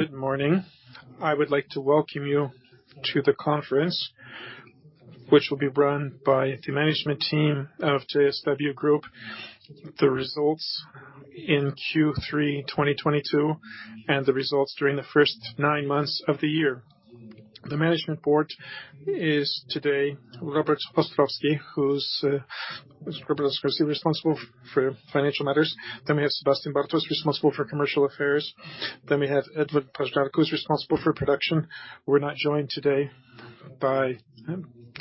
Good morning. I would like to welcome you to the conference, which will be run by the management team of JSW Group. The results in Q3 2022, and the results during the first nine months of the year. The Management Board is today Robert Ostrowski, who's Robert Ostrowski responsible for financial matters. We have Sebastian Bartos, responsible for commercial affairs. We have Edward Paździorko, who's responsible for production. We're not joined today by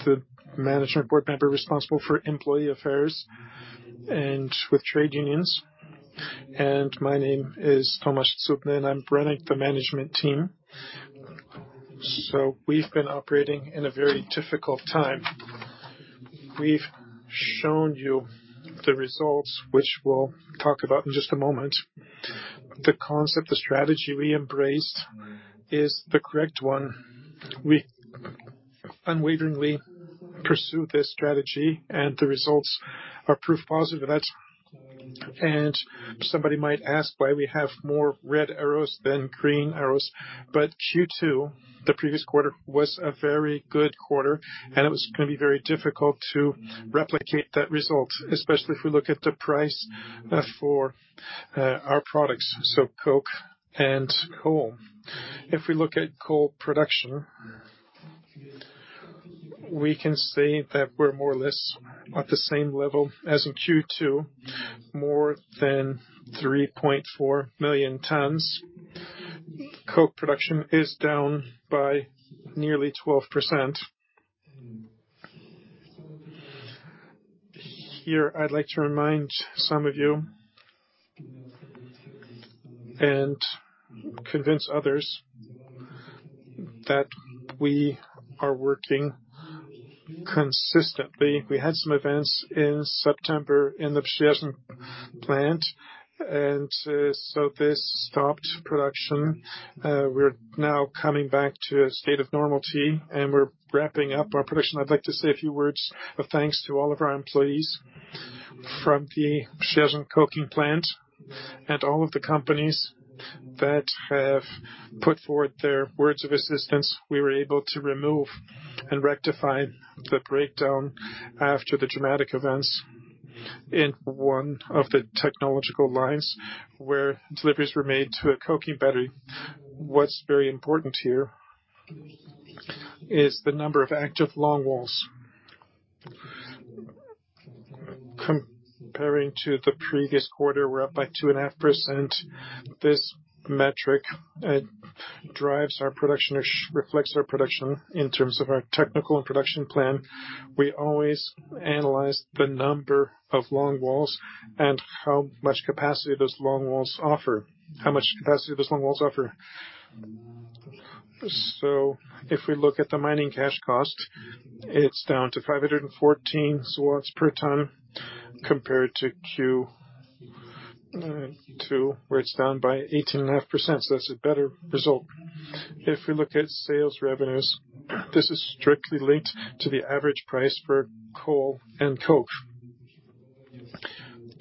the Management Board member responsible for employee affairs and with trade unions. My name is Tomasz Cudny, and I'm running the management team. We've been operating in a very difficult time. We've shown you the results, which we'll talk about in just a moment. The concept, the strategy we embraced is the correct one. We unwaveringly pursue this strategy and the results are proof positive of that. Somebody might ask why we have more red arrows than green arrows. Q2, the previous quarter, was a very good quarter, and it was gonna be very difficult to replicate that result, especially if we look at the price for our products, so coke and coal. If we look at coal production, we can say that we're more or less at the same level as in Q2, more than 3.4 million tons. Coke production is down by nearly 12%. Here, I'd like to remind some of you and convince others that we are working consistently. We had some events in September in the Pszczyna plant, so this stopped production. We're now coming back to a state of normality, and we're wrapping up our production. I'd like to say a few words of thanks to all of our employees from the Pszczyna coking plant and all of the companies that have put forward their words of assistance. We were able to remove and rectify the breakdown after the dramatic events in one of the technological lines where deliveries were made to a coking battery. What's very important here is the number of active longwalls. Comparing to the previous quarter, we're up by 2.5%. This metric drives our production or reflects our production in terms of our technical and production plan. We always analyze the number of longwalls and how much capacity those longwalls offer. If we look at the Mining Cash Cost, it's down to 514 per ton compared to Q2, where it's down by 18.5%. That's a better result. If we look at sales revenues, this is strictly linked to the average price for coal and coke.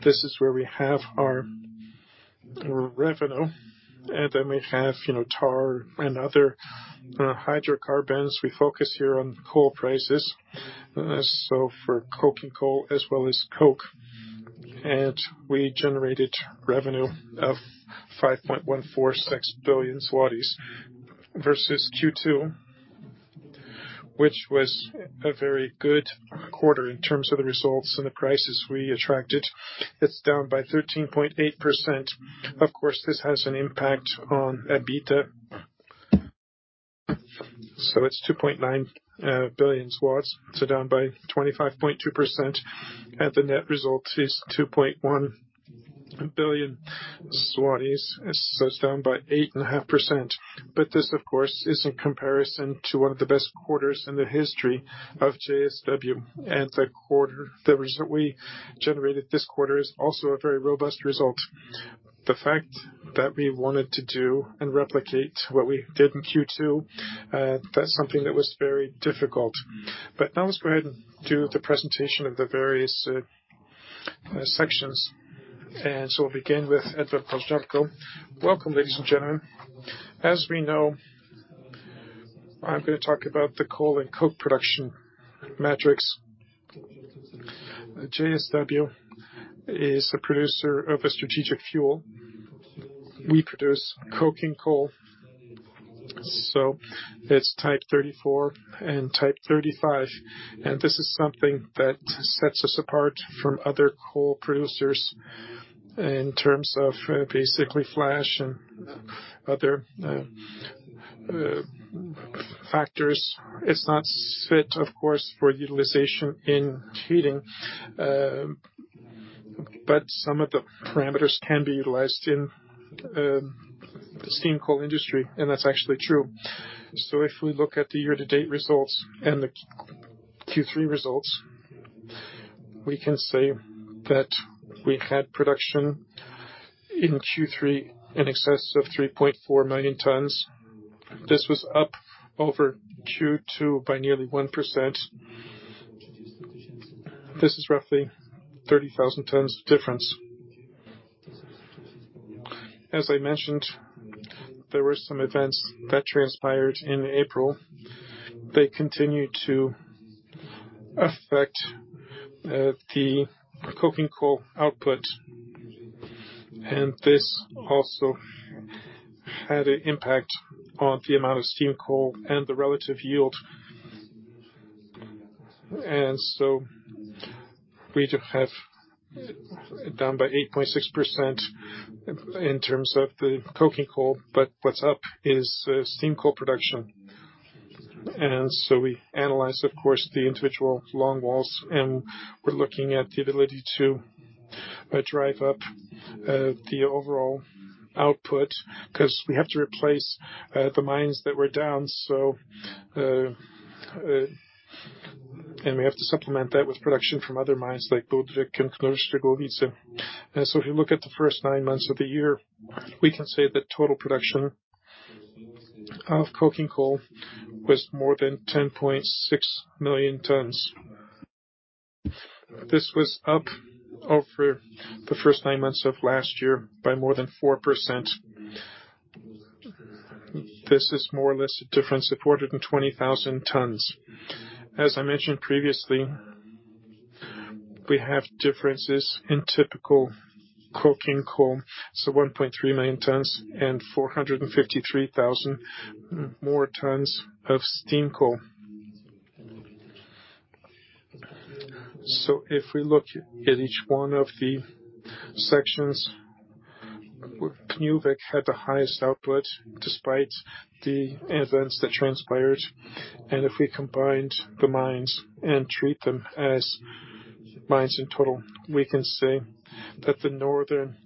This is where we have our revenue, and then we have, you know, tar and other hydrocarbons. We focus here on coal prices, so for coking coal as well as coke. We generated revenue of 5.146 billion zlotys versus Q2, which was a very good quarter in terms of the results and the prices we attracted. It's down by 13.8%. Of course, this has an impact on EBITDA. It's 2.9 billion, down by 25.2%, and the net result is 2.1 billion. It's down by 8.5%. This, of course, is in comparison to one of the best quarters in the history of JSW. The result we generated this quarter is also a very robust result. The fact that we wanted to do and replicate what we did in Q2, that's something that was very difficult. Now let's go ahead and do the presentation of the various sections. We'll begin with Edward Paździorko. Welcome, ladies and gentlemen. As we know, I'm gonna talk about the coal and coke production metrics. JSW is a producer of a strategic fuel. We produce coking coal, it's type 34 and type 35. This is something that sets us apart from other coal producers in terms of basically flash and other factors. It's not fit, of course, for utilization in heating, but some of the parameters can be utilized in steam coal industry, and that's actually true. If we look at the year-to-date results and the Q3 results, we can say that we had production in Q3 in excess of 3.4 million tons. This was up over Q2 by nearly 1%. This is roughly 30,000 tons difference. As I mentioned, there were some events that transpired in April. They continued to affect the coking coal output, and this also had an impact on the amount of steam coal and the relative yield. We just have down by 8.6% in terms of the coking coal. What's up is steam coal production. We analyze, of course, the individual longwalls, and we're looking at the ability to drive up the overall output, 'cause we have to replace the mines that were down. We have to supplement that with production from other mines like Budryk and Knurów-Szczygłowice. If you look at the first nine months of the year, we can say that total production of coking coal was more than 10.6 million tons. This was up over the first nine months of last year by more than 4%. This is more or less a difference of more than 20,000 tons. As I mentioned previously, we have differences in typical coking coal, so 1.3 million tons and 453,000 more tons of steam coal. If we look at each one of the sections, Knurów had the highest output despite the events that transpired. If we combined the mines and treat them as mines in total, we can say that the Northern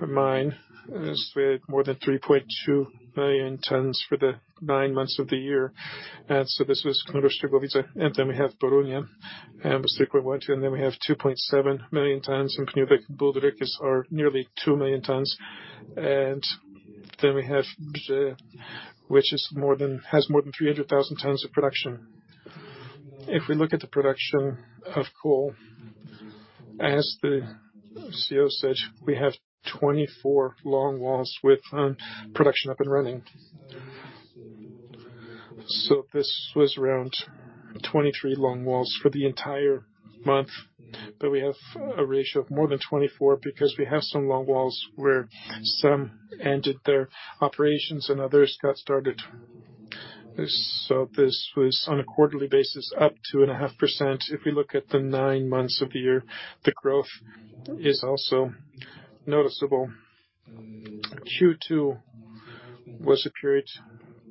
Mine has made more than 3.2 million tons for the nine months of the year. This was Knurów-Szczygłowice. Then we have Borynia and Wujek. Then we have 2.7 million tons in Knurów and Budryk are nearly 2 million tons. Then we have Rzeca, which has more than 300,000 tons of production. If we look at the production of coal, as the CEO said, we have 24 long walls with production up and running. This was around 23 longwalls for the entire month, but we have a ratio of more than 24 because we have some longwalls where some ended their operations and others got started. This was on a quarterly basis, up 2.5%. If we look at the nine months of the year, the growth is also noticeable. Q2 was a period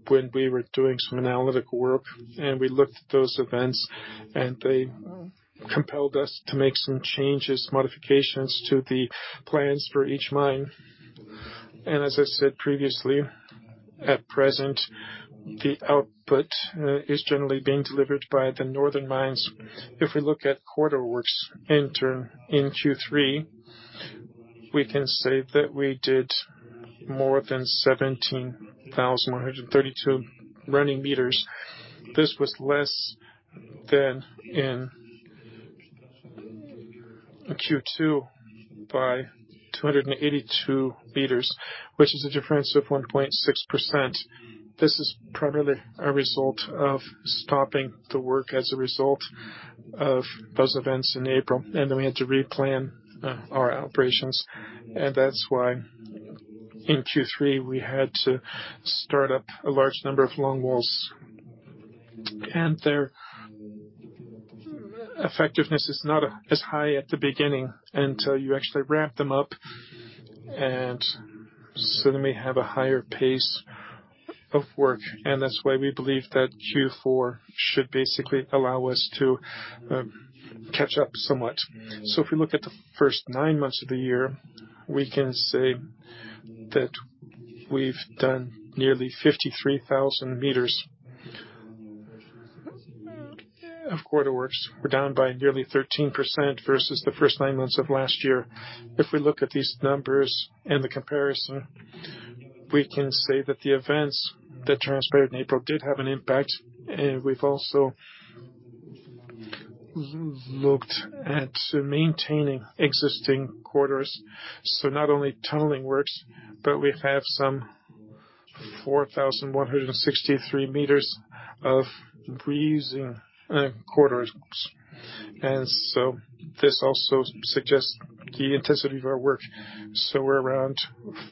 when we were doing some analytical work, and we looked at those events and they compelled us to make some changes, modifications to the plans for each mine. As I said previously, at present, the output is generally being delivered by the northern mines. If we look at preparatory works in turn in Q3, we can say that we did more than 17,132 running meters. This was less than in Q2 by 282m, which is a difference of 1.6%. This is primarily a result of stopping the work as a result of those events in April. Then we had to replan our operations, and that's why in Q3 we had to start up a large number of longwalls. Their effectiveness is not as high at the beginning until you actually ramp them up. So they may have a higher pace of work, and that's why we believe that Q4 should basically allow us to catch up somewhat. If we look at the first nine months of the year, we can say that we've done nearly 53,000 m of preparatory works. We're down by nearly 13% versus the first nine months of last year. If we look at these numbers and the comparison, we can say that the events that transpired in April did have an impact. We've also looked at maintaining existing quarters. Not only tunneling works, but we've have some 4,163m of reusing quarters. This also suggests the intensity of our work. We're around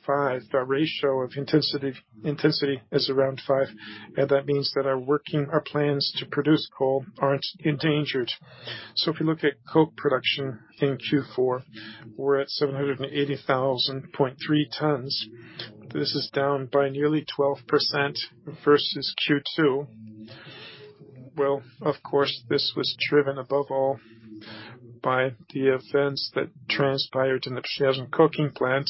five. Our ratio of intensity is around five, and that means that our plans to produce coal aren't endangered. If you look at coke production in Q4, we're at 780,000.3 tons. This is down by nearly 12% versus Q2. Well, of course, this was driven above all by the events that transpired in the Przeworsk coking plant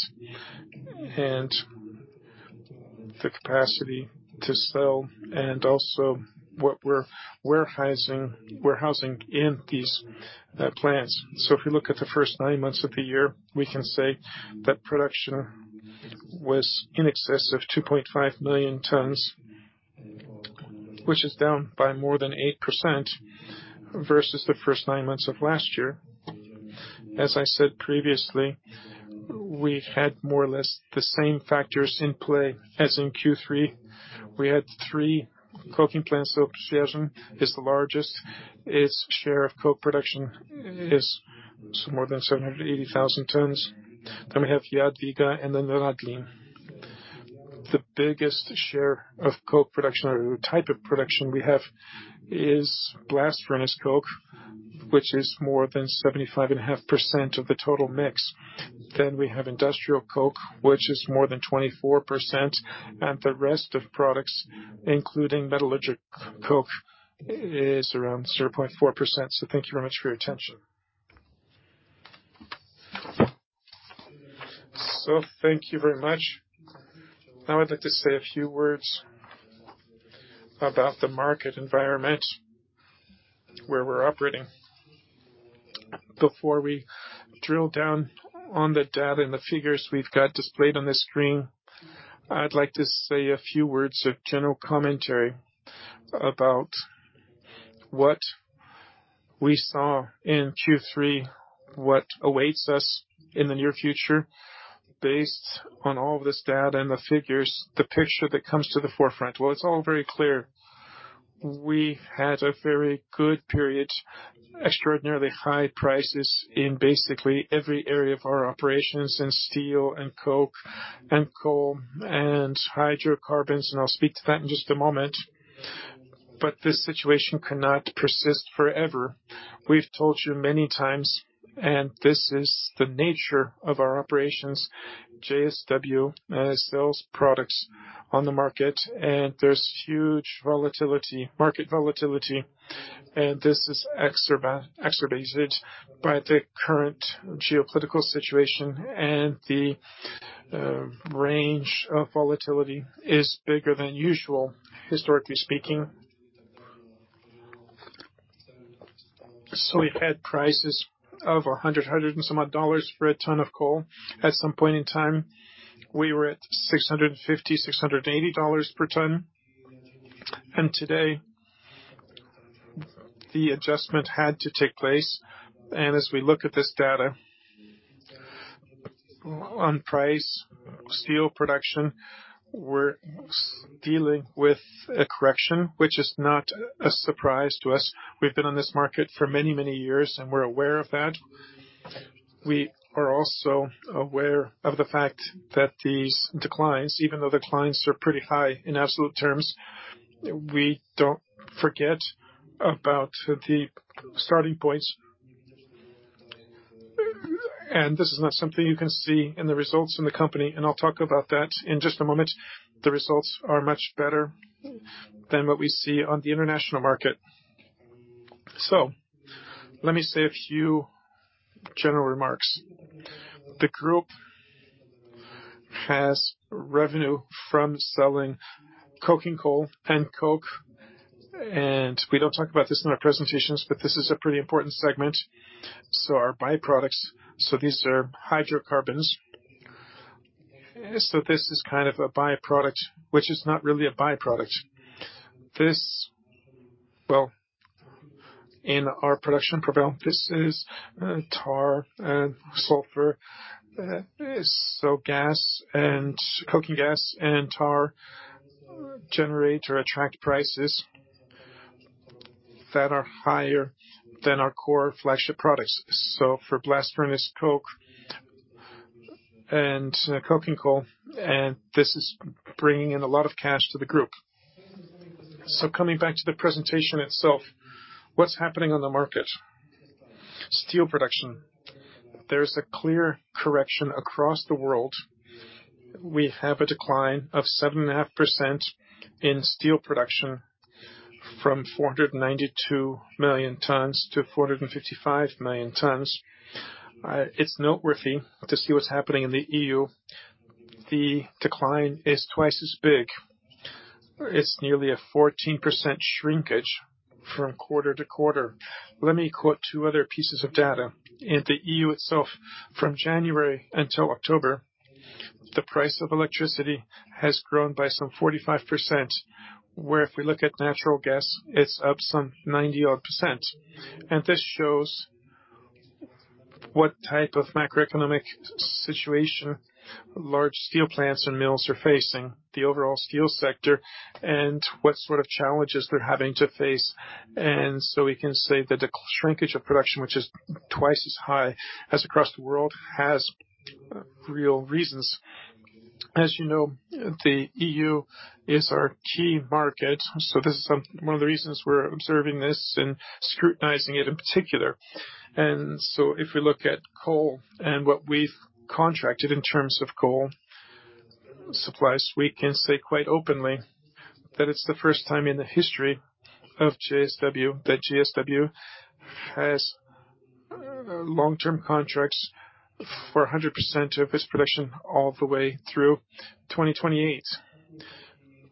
and the capacity to sell and also what we're warehousing in these plants. If you look at the first nine months of the year, we can say that production was in excess of 2.5 million tons. Which is down by more than 8% versus the first nine months of last year. As I said previously, we had more or less the same factors in play as in Q3. We had three coking plants. Przyjaźń is the largest. Its share of coke production is more than 780,000 tons. We have Jadwiga and then Radlin. The biggest share of coke production, or type of production we have is blast furnace coke, which is more than 75.5% of the total mix. We have industrial coke, which is more than 24%, and the rest of products, including metallurgical coke, is around 0.4%. Thank you very much for your attention. Thank you very much. Now I'd like to say a few words about the market environment where we're operating. Before we drill down on the data and the figures we've got displayed on the screen, I'd like to say a few words of general commentary about what we saw in Q3, what awaits us in the near future, based on all this data and the figures, the picture that comes to the forefront. It's all very clear. We had a very good period. Extraordinarily high prices in basically every area of our operations in steel and coke and coal and hydrocarbons, and I'll speak to that in just a moment. This situation cannot persist forever. We've told you many times, and this is the nature of our operations. JSW sells products on the market, and there's huge volatility, market volatility, and this is exacerbated by the current geopolitical situation. The range of volatility is bigger than usual, historically speaking. We've had prices of $100, $100 and some odd dollars for a ton of coal. At some point in time, we were at $650, $680 per ton. Today, the adjustment had to take place. As we look at this data on price, steel production, we're dealing with a correction, which is not a surprise to us. We've been on this market for many, many years, and we're aware of that. We are also aware of the fact that these declines, even though the clients are pretty high in absolute terms, we don't forget about the starting points. This is not something you can see in the results in the company, and I'll talk about that in just a moment. The results are much better than what we see on the international market. Let me say a few general remarks. The group has revenue from selling coking coal and coke, and we don't talk about this in our presentations, but this is a pretty important segment. Our byproducts, these are hydrocarbons. This is kind of a byproduct, which is not really a byproduct. Well, in our production profile, this is tar and sulfur. Coking gas and tar generate or attract prices that are higher than our core flagship products. For blast furnace coke and coking coal, and this is bringing in a lot of cash to the group. Coming back to the presentation itself, what's happening on the market? Steel production. There's a clear correction across the world. We have a decline of 7.5% in steel production from 492 million tons to 455 million tons. It's noteworthy to see what's happening in the E.U. The decline is twice as big. It's nearly a 14% shrinkage from quarter to quarter. Let me quote two other pieces of data. In the E.U. Itself, from January until October, the price of electricity has grown by some 45%, where if we look at natural gas, it's up some 90% odd. This shows what type of macroeconomic situation large steel plants and mills are facing, the overall steel sector, and what sort of challenges they're having to face. We can say that the shrinkage of production, which is twice as high as across the world, has real reasons. As you know, the E.U. Is our key market, so this is one of the reasons we're observing this and scrutinizing it in particular. If we look at coal and what we've contracted in terms of coal supplies, we can say quite openly that it's the first time in the history of JSW that JSW has long-term contracts for 100% of its production all the way through 2028.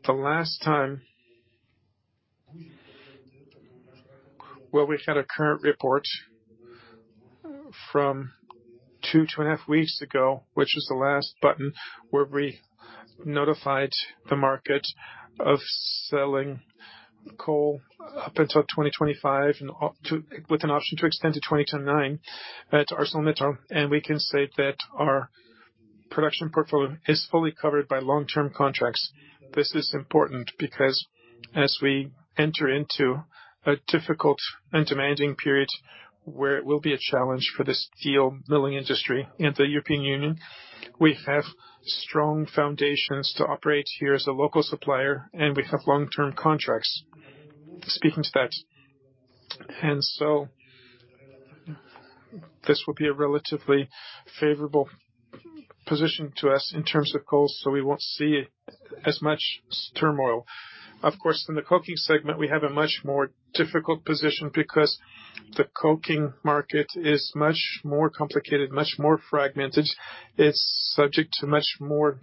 The last time, where we had a current report from 2.5 weeks ago, which was the last button, where we notified the market of selling coal up until 2025, with an option to extend to 2029 at ArcelorMittal. We can say that our production portfolio is fully covered by long-term contracts. This is important because as we enter into a difficult and demanding period, where it will be a challenge for the steel milling industry in the European Union, we have strong foundations to operate here as a local supplier. We have long-term contracts speaking to that. This will be a relatively favorable position to us in terms of cost, so we won't see as much turmoil. Of course, in the coking segment, we have a much more difficult position because the coking market is much more complicated, much more fragmented. It's subject to much more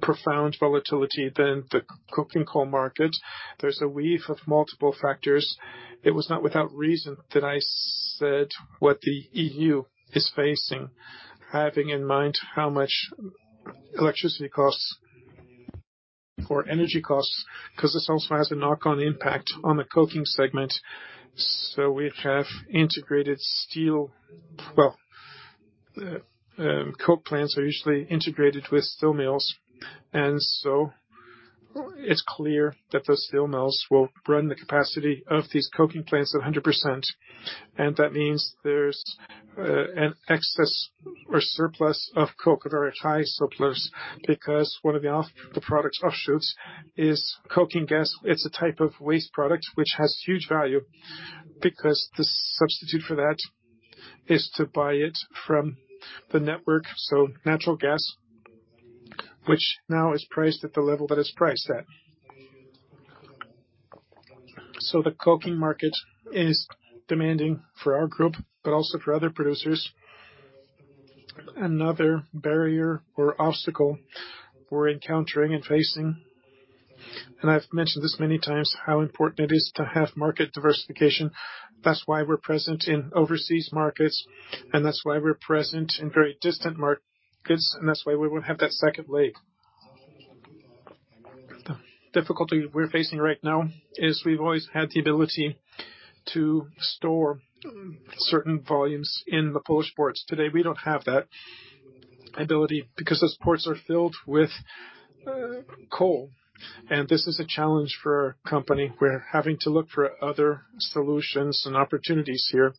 profound volatility than the coking coal market. There's a weave of multiple factors. It was not without reason that I said what the E.U. is facing, having in mind how much electricity costs or energy costs, because this also has a knock-on impact on the coking segment. We have integrated steel. Coke plants are usually integrated with steel mills, it's clear that the steel mills will run the capacity of these coking plants at 100%. That means there's, an excess or surplus of coke or very high surplus because one of the product offshoots is coking gas. It's a type of waste product which has huge value because the substitute for that is to buy it from the network, so natural gas, which now is priced at the level that it's priced at. The coking market is demanding for our group but also for other producers. Another barrier or obstacle we're encountering and facing, and I've mentioned this many times, how important it is to have market diversification. That's why we're present in overseas markets, and that's why we're present in very distant markets, and that's why we would have that second leg. The difficulty we're facing right now is we've always had the ability to store certain volumes in the port spots. Today, we don't have that ability because those ports are filled with coal. This is a challenge for our company. We're having to look for other solutions and opportunities here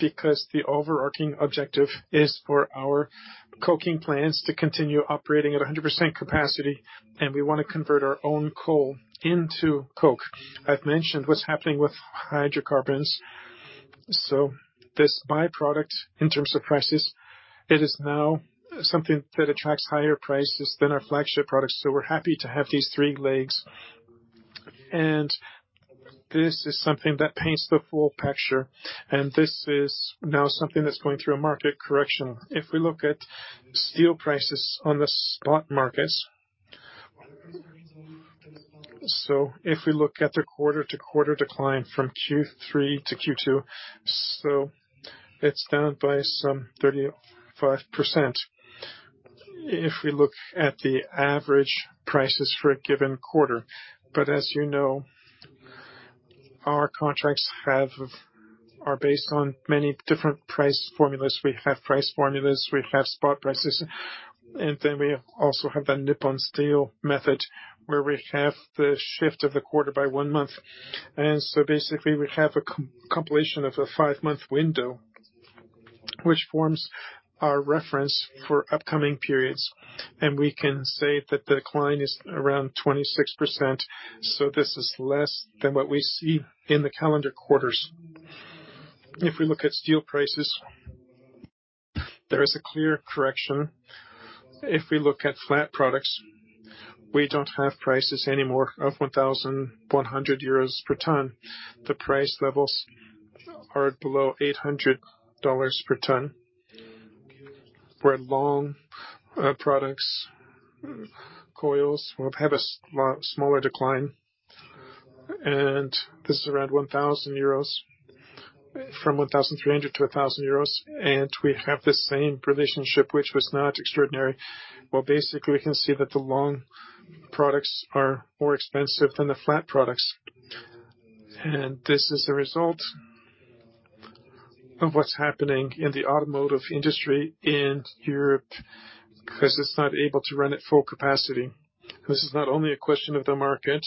because the overarching objective is for our coking plants to continue operating at 100% capacity, and we wanna convert our own coal into coke. I've mentioned what's happening with hydrocarbons. This by-product, in terms of prices, it is now something that attracts higher prices than our flagship products. We're happy to have these three legs. This is something that paints the full picture, and this is now something that's going through a market correction. If we look at steel prices on the spot markets. If we look at the quarter-to-quarter decline from Q3-Q2, it's down by some 35%. If we look at the average prices for a given quarter. As you know, our contracts are based on many different price formulas. We have price formulas, we have spot prices, we also have the Nippon Steel method, where we have the shift of the quarter by one month. Basically, we have a compilation of a five-month window which forms our reference for upcoming periods. We can say that the decline is around 26%, so this is less than what we see in the calendar quarters. If we look at steel prices, there is a clear correction. If we look at flat products, we don't have prices anymore of 1,100 euros per ton. The price levels are below $800 per ton, where long products, coils have a smaller decline, and this is around 1,000 euros, from 1,300 to 1,000 euros. We have the same relationship, which was not extraordinary, where basically we can see that the long products are more expensive than the flat products. This is a result of what's happening in the automotive industry in Europe, 'cause it's not able to run at full capacity. This is not only a question of the market,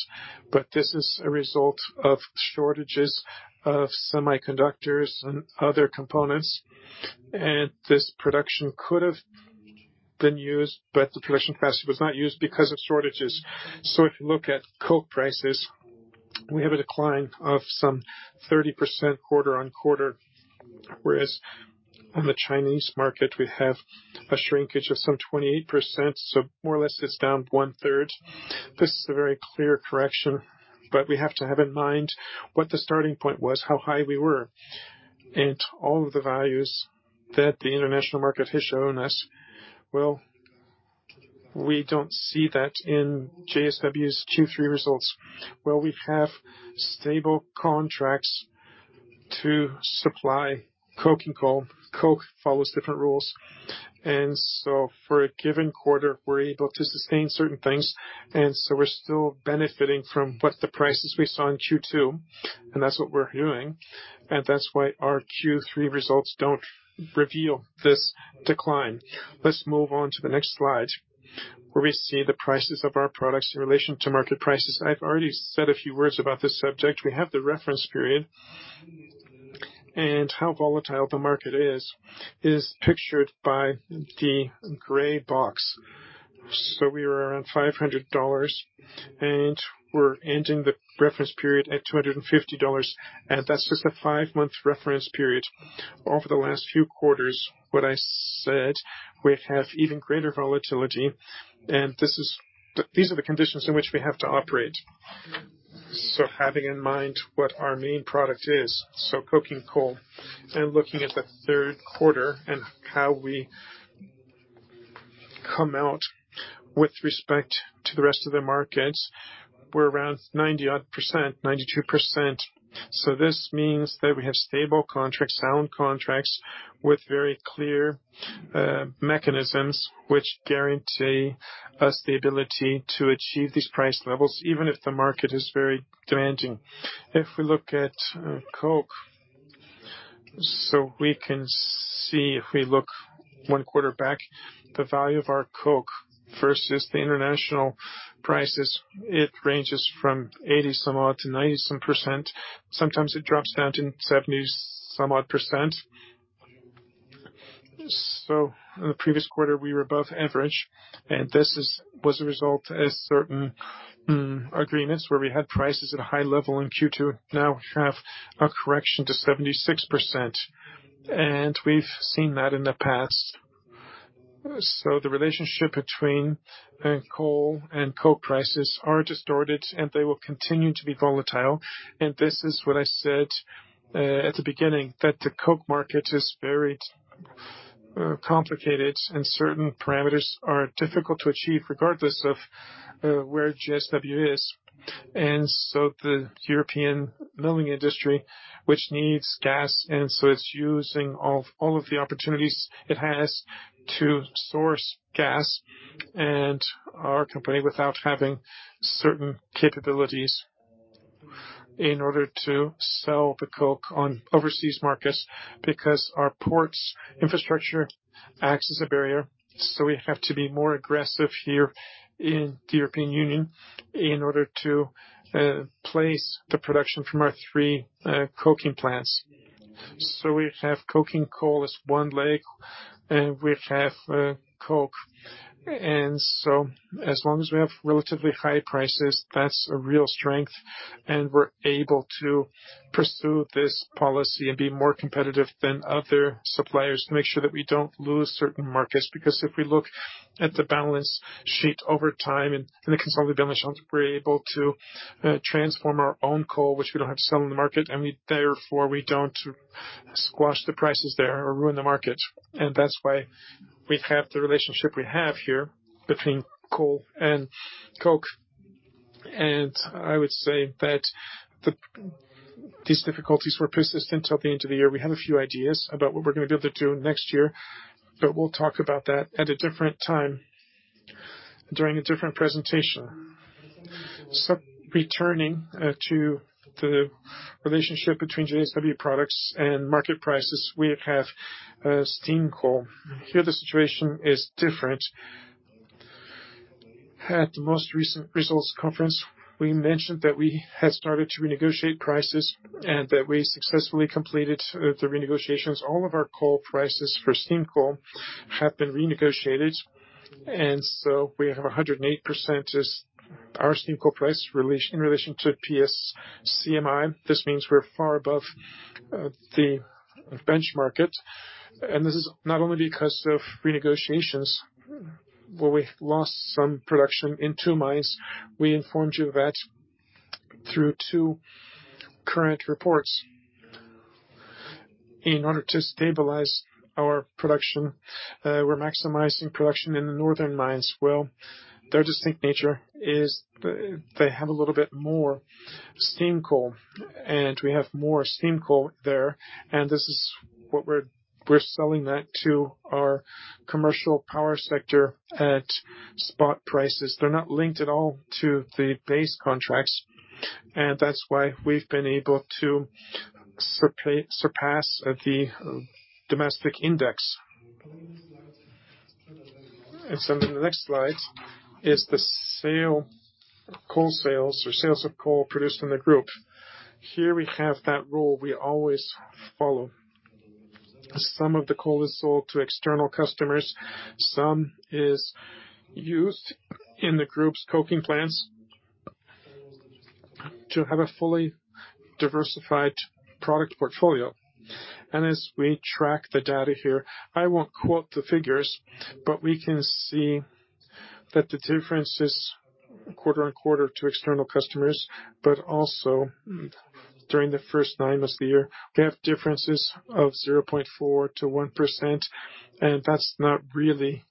but this is a result of shortages of semiconductors and other components. This production could have been used, but the production capacity was not used because of shortages. If you look at coke prices, we have a decline of some 30% quarter on quarter, whereas on the Chinese market, we have a shrinkage of some 28%, so more or less it's down 1/3. This is a very clear correction, but we have to have in mind what the starting point was, how high we were. All of the values that the international market has shown us, well, we don't see that in JSW's Q3 results, where we have stable contracts to supply coking coal. Coke follows different rules. For a given quarter, we're able to sustain certain things. We're still benefiting from what the prices we saw in Q2, and that's what we're doing, and that's why our Q3 results don't reveal this decline. Let's move on to the next slide, where we see the prices of our products in relation to market prices. I've already said a few words about this subject. We have the reference period, and how volatile the market is pictured by the gray box. We were around $500, and we're ending the reference period at $250, and that's just a five-month reference period. Over the last few quarters, what I said, we have even greater volatility, and these are the conditions in which we have to operate. Having in mind what our main product is, coking coal, and looking at the third quarter and how we come out with respect to the rest of the markets, we're around 90% odd, 92%. This means that we have stable contracts, sound contracts with very clear mechanisms which guarantee us the ability to achieve these price levels, even if the market is very demanding. If we look at coke, we can see if we look one quarter back, the value of our coke versus the international prices, it ranges from 80% some odd to 90% some. Sometimes it drops down to 70% some odd. In the previous quarter, we were above average, and this was a result of certain agreements where we had prices at a high level in Q2. Now we have a correction to 76%, and we've seen that in the past. The relationship between coal and coke prices are distorted, and they will continue to be volatile. This is what I said at the beginning, that the coke market is very complicated and certain parameters are difficult to achieve, regardless of where JSW is. The European milling industry, which needs gas, and so it's using of all of the opportunities it has to source gas and our company without having certain capabilities in order to sell the coke on overseas markets because our ports infrastructure acts as a barrier. We have to be more aggressive here in the European Union in order to place the production from our three coking plants. We have coking coal as one leg, and we have coke. As long as we have relatively high prices, that's a real strength, and we're able to pursue this policy and be more competitive than other suppliers to make sure that we don't lose certain markets. If we look at the balance sheet over time and the consolidated balance sheet, we're able to transform our own coal, which we don't have to sell on the market, and we therefore, we don't squash the prices there or ruin the market. That's why we have the relationship we have here between coal and coke. I would say that these difficulties were persistent till the end of the year. We have a few ideas about what we're gonna be able to do next year, but we'll talk about that at a different time during a different presentation. Returning to the relationship between JSW products and market prices, we have steam coal. Here, the situation is different. At the most recent results conference, we mentioned that we had started to renegotiate prices and that we successfully completed the renegotiations. All of our coal prices for steam coal have been renegotiated. We have 108% is our steam coal price relation, in relation to PSCMI. This means we're far above the benchmark. This is not only because of renegotiations, where we lost some production in two mines. We informed you that through two current reports. In order to stabilize our production, we're maximizing production in the northern mines. Well, their distinct nature is they have a little bit more steam coal, we have more steam coal there. This is what we're selling that to our commercial power sector at spot prices. They're not linked at all to the base contracts, that's why we've been able to surpass the domestic index. In the next slide is the sale, coal sales or sales of coal produced in the Group. Here we have that rule we always follow. Some of the coal is sold to external customers. Some is used in the Group's coking plants to have a fully diversified product portfolio. As we track the data here, I won't quote the figures, but we can see that the differences quarter-on-quarter to external customers, but also during the first nine months of the year, we have differences of 0.4%-1%. That's not really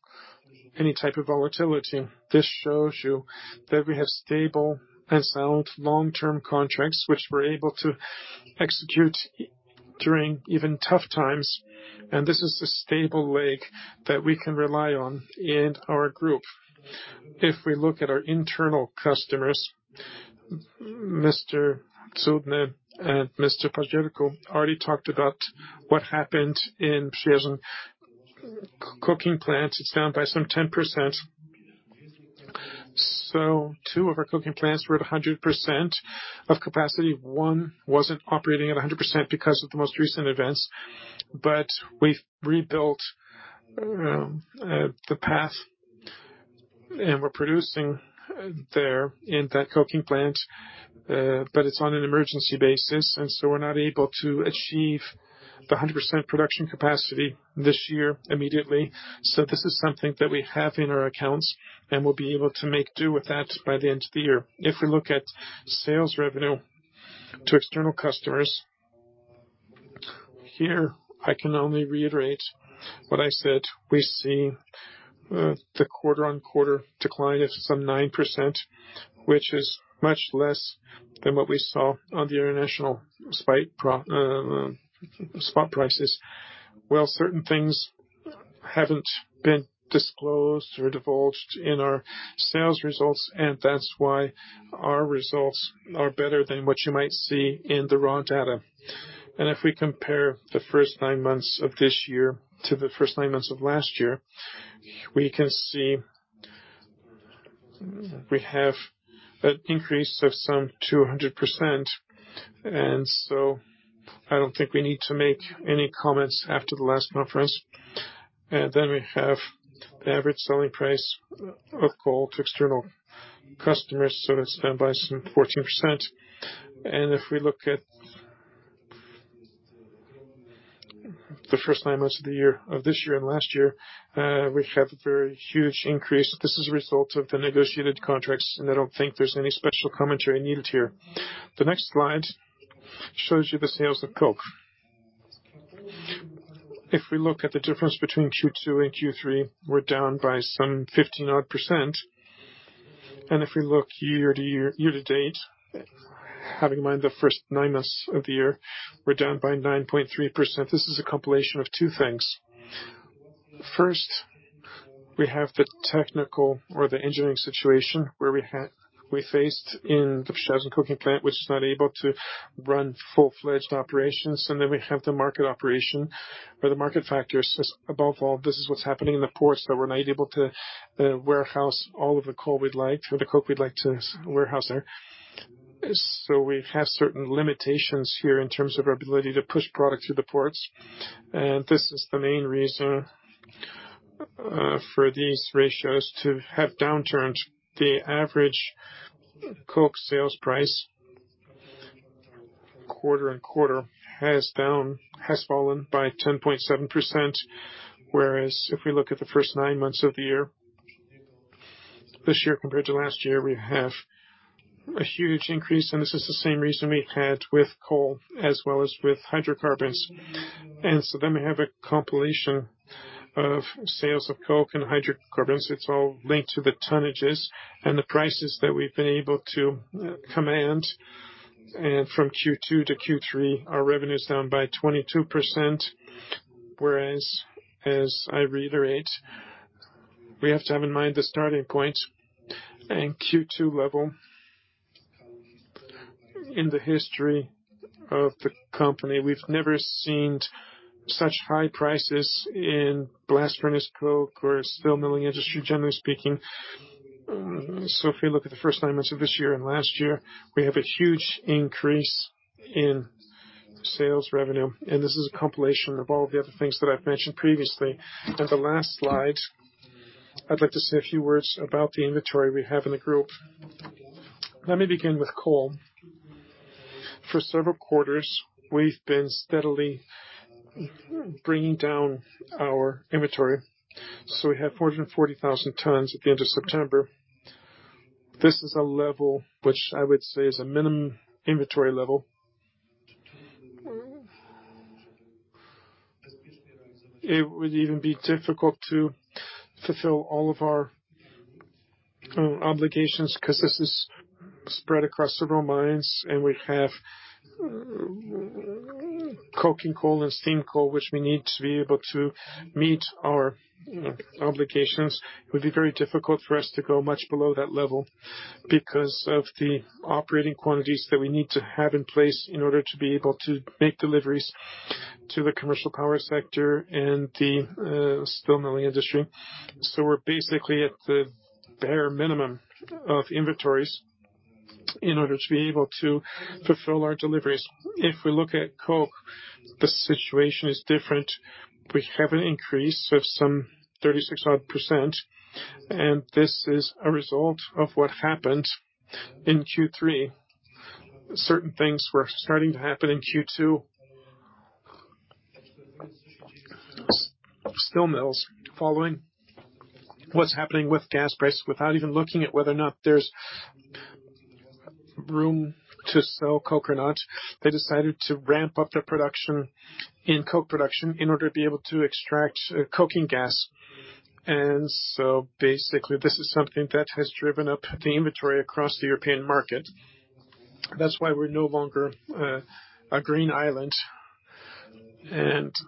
any type of volatility. This shows you that we have stable and sound long-term contracts, which we're able to execute during even tough times. This is the stable lake that we can rely on in our group. If we look at our internal customers, Mr. Sudne and Mr. Pajeriko already talked about what happened in Przeworsk cooking plant. It's down by some 10%. Two of our cooking plants were at 100% of capacity. One wasn't operating at 100% because of the most recent events. We've rebuilt the path and we're producing there in that coking plant, but it's on an emergency basis, we're not able to achieve the 100% production capacity this year immediately. This is something that we have in our accounts, and we'll be able to make do with that by the end of the year. If we look at sales revenue to external customers, here I can only reiterate what I said. We see the quarter-on-quarter decline of some 9%, which is much less than what we saw on the international spot prices. Certain things haven't been disclosed or divulged in our sales results, and that's why our results are better than what you might see in the raw data. If we compare the first nine months of this year to the first nine months of last year, we can see we have an increase of some 200%. I don't think we need to make any comments after the last conference. We have the average selling price of coal to external customers, so that's down by some 14%. If we look at the first nine months of the year, of this year and last year, we have a very huge increase. This is a result of the negotiated contracts, and I don't think there's any special commentary needed here. The next slide shows you the sales of coke. If we look at the difference between Q2 and Q3, we're down by some 15% odd. If we look year-over-year, year-to-date, having in mind the first nine months of the year, we're down by 9.3%. This is a compilation of two things. First, we have the technical or the engineering situation where we faced in the Przeworsk coking plant, which is not able to run full-fledged operations. We have the market operation, where the market factors is above all, this is what's happening in the ports that we're not able to warehouse all of the coal we'd like, or the coke we'd like to warehouse there. We have certain limitations here in terms of our ability to push product through the ports. This is the main reason for these ratios to have downturned. The average coke sales price quarter-on-quarter has fallen by 10.7%, whereas if we look at the first nine months of the year-over-year, we have a huge increase and this is the same reason we had with coal as well as with hydrocarbons. Then we have a compilation of sales of coke and hydrocarbons. It's all linked to the tonnages and the prices that we've been able to command. From Q2-Q3, our revenue is down by 22%, whereas as I reiterate, we have to have in mind the starting point in Q2 level. In the history of the company, we've never seen such high prices in blast furnace coke or steel milling industry, generally speaking. If we look at the first nine months of this year and last year, we have a huge increase in sales revenue, and this is a compilation of all the other things that I've mentioned previously. The last slide, I'd like to say a few words about the inventory we have in the group. Let me begin with coal. For several quarters, we've been steadily bringing down our inventory. We have 440,000 tons at the end of September. This is a level which I would say is a minimum inventory level. It would even be difficult to fulfill all of our obligations 'cause this is spread across several mines, and we have coking coal and steam coal, which we need to be able to meet our obligations. It would be very difficult for us to go much below that level because of the operating quantities that we need to have in place in order to be able to make deliveries to the commercial power sector and the steel milling industry. We're basically at the bare minimum of inventories in order to be able to fulfill our deliveries. If we look at coke, the situation is different. We have an increase of some 36% odd, and this is a result of what happened in Q3. Certain things were starting to happen in Q2, of steel mills following what's happening with gas prices without even looking at whether or not there's room to sell coke or not. They decided to ramp up their production in coke production in order to be able to extract coking gas. Basically, this is something that has driven up the inventory across the European market. That's why we're no longer a green island.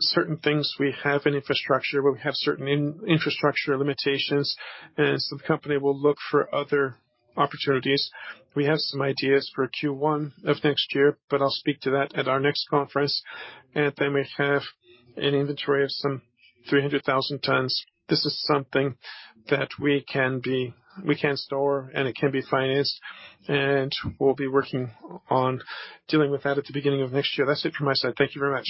Certain things we have in infrastructure, where we have certain infrastructure limitations, the company will look for other opportunities. We have some ideas for Q1 of next year, but I'll speak to that at our next conference. They may have an inventory of some 300,000 tons. This is something that we can store and it can be financed. We'll be working on dealing with that at the beginning of next year. That's it from my side. Thank you very much.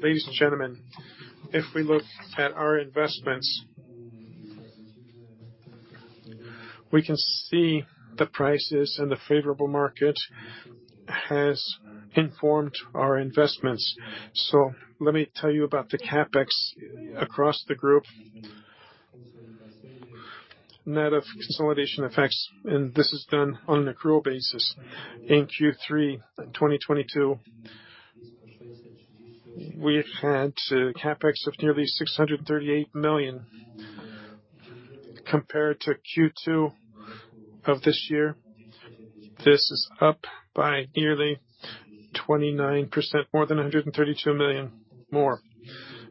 Ladies and gentlemen, if we look at our investments, we can see the prices and the favorable market has informed our investments. Let me tell you about the CapEx across the group. Net of consolidation effects, this is done on an accrual basis. In Q3 in 2022, we had a CapEx of nearly 638 million. Compared to Q2 of this year, this is up by nearly 29%, more than 132 million more.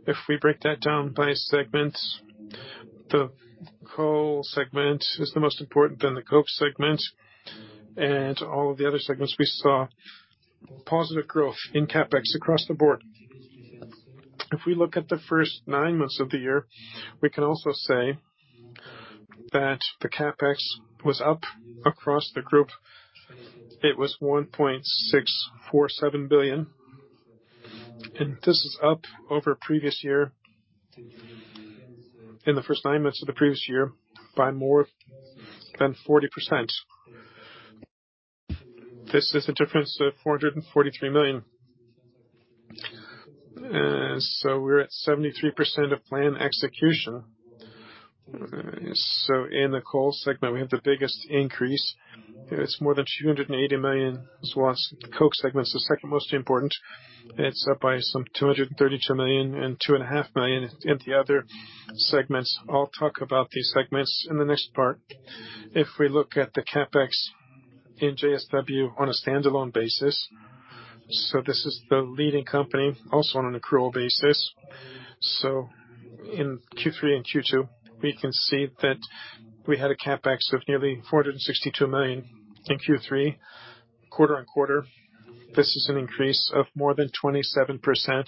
If we break that down by segment, the coal segment is the most important, then the coke segment, and all the other segments we saw positive growth in CapEx across the board. If we look at the first nine months of the year, we can also say that the CapEx was up across the group. It was 1.647 billion. This is up over previous year, in the first nine months of the previous year, by more than 40%. This is a difference of 443 million. We're at 73% of plan execution. In the coal segment, we have the biggest increase. It's more than 280 million. The coke segment is the second most important. It's up by some 232 million and 2.5 Million in the other segments. I'll talk about these segments in the next part. If we look at the CapEx in JSW on a standalone basis, this is the leading company, also on an accrual basis. In Q3 and Q2, we can see that we had a CapEx of nearly 462 million in Q3. Quarter-over-quarter, this is an increase of more than 27%.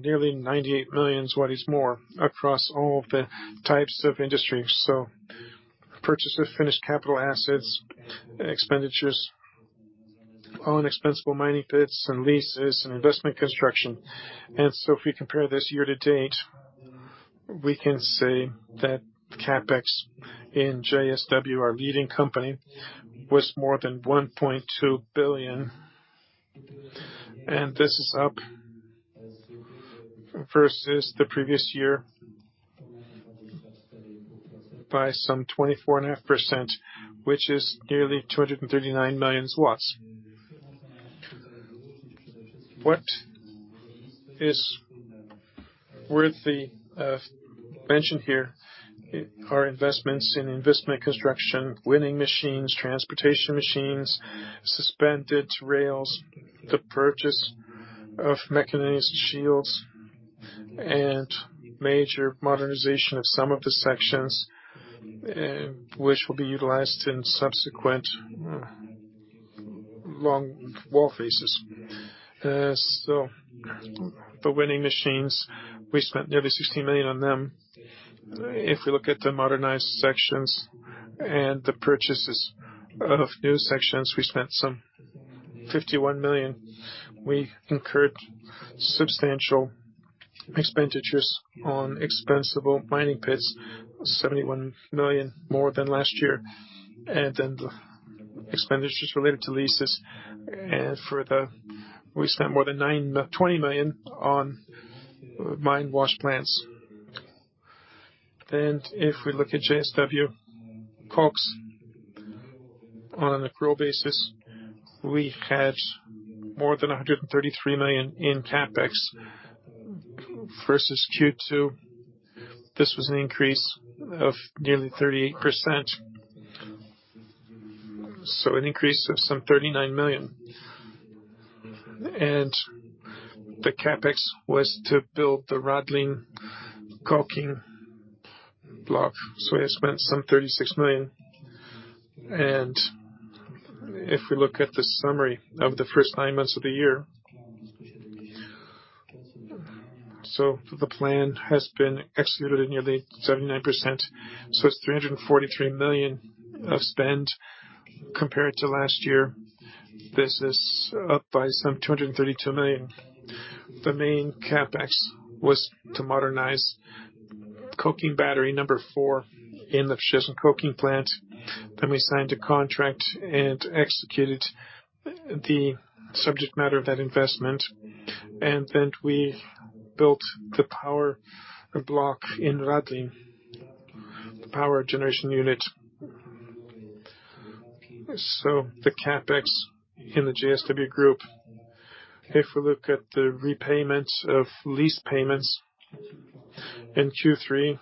Nearly 98 million is what is more across all the types of industry. Purchase of finished capital assets, expenditures on expensable mining pits and leases and investment construction. If we compare this year to date, we can say that CapEx in JSW, our leading company, was more than 1.2 billion. This is up versus the previous year by some 24.5%, which is nearly 239 million. What is worthy of mention here are investments in investment construction, winning machines, transportation machines, suspended rails, the purchase of mechanized shields, and major modernization of some of the sections, which will be utilized in subsequent longwall phases. The winning machines, we spent nearly 16 million on them. If we look at the modernized sections and the purchases of new sections, we spent some 51 million. We incurred substantial expenditures on expensable mining pits, 71 million more than last year. The expenditures related to leases. For the we spent more than 20 million on mine wash plants. If we look at JSW Koks on an accrual basis, we had more than 133 million in CapEx versus Q2. This was an increase of nearly 38%. An increase of some 39 million. The CapEx was to build the Radlin coking block, so we spent some 36 million. If we look at the summary of the first nine months of the year, so the plan has been executed at nearly 79%. It's 343 million of spend compared to last year. This is up by some 232 million. The main CapEx was to modernize coking battery number four in the coking plant. We signed a contract and executed the subject matter of that investment, we built the power block in Radlin, the power generation unit. The CapEx in the JSW Group, if we look at the repayments of lease payments in Q3,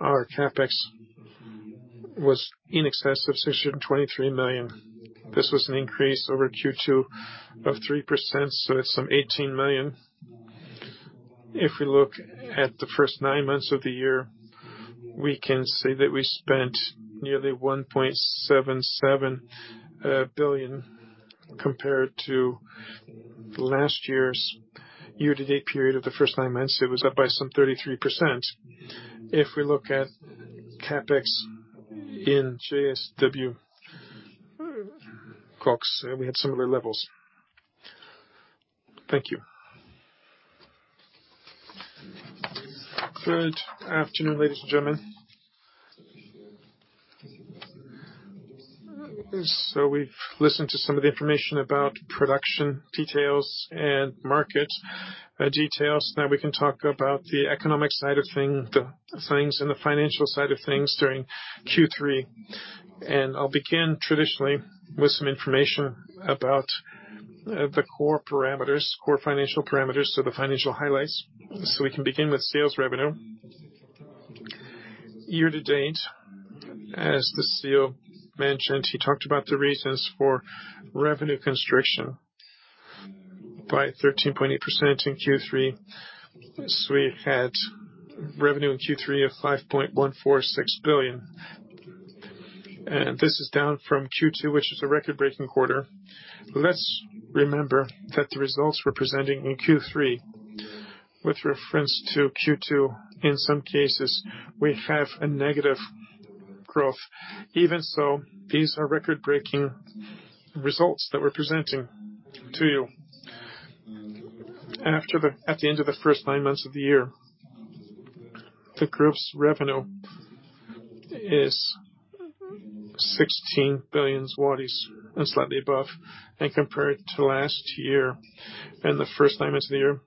our CapEx was in excess of 623 million. This was an increase over Q2 of 3%, so it's some 18 million. We look at the first nine months of the year, we can say that we spent nearly 1.77 billion compared to last year's year-to-date period of the first nine months, it was up by some 33%. We look at CapEx in JSW Koks, we had similar levels. Thank you. Good afternoon, ladies and gentlemen. We've listened to some of the information about production details and market details. Now we can talk about the economic side of things in the financial side of things during Q3. I'll begin traditionally with some information about the core parameters, core financial parameters, so the financial highlights. We can begin with sales revenue. Year to date, as the CEO mentioned, he talked about the reasons for revenue constriction by 13.8% in Q3. We had revenue in Q3 of 5.146 billion, and this is down from Q2, which is a record-breaking quarter. Let's remember that the results we're presenting in Q3 with reference to Q2, in some cases, we have a negative growth. Even so, these are record-breaking results that we're presenting to you. At the end of the first nine months of the year, the group's revenue is 16 billion zlotys and slightly above. Compared to last year and the first nine months of the year,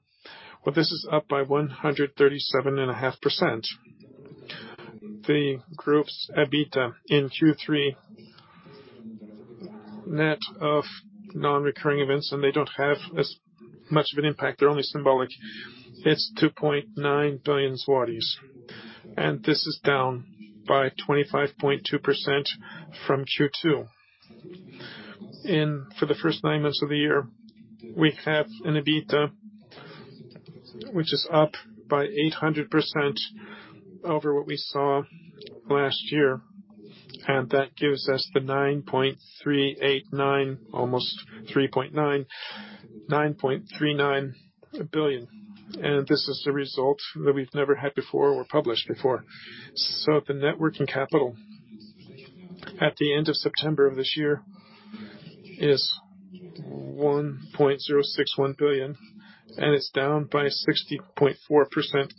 this is up by 137.5%. The group's EBITDA in Q3, net of non-recurring events, and they don't have as much of an impact, they're only symbolic. It's 2.9 billion zlotys, and this is down by 25.2% from Q2. For the first nine months of the year, we have an EBITDA which is up by 800% over what we saw last year, and that gives us the 9.39 billion. This is the result that we've never had before or published before. The net working capital at the end of September of this year is 1.061 billion, and it's down by 60.4%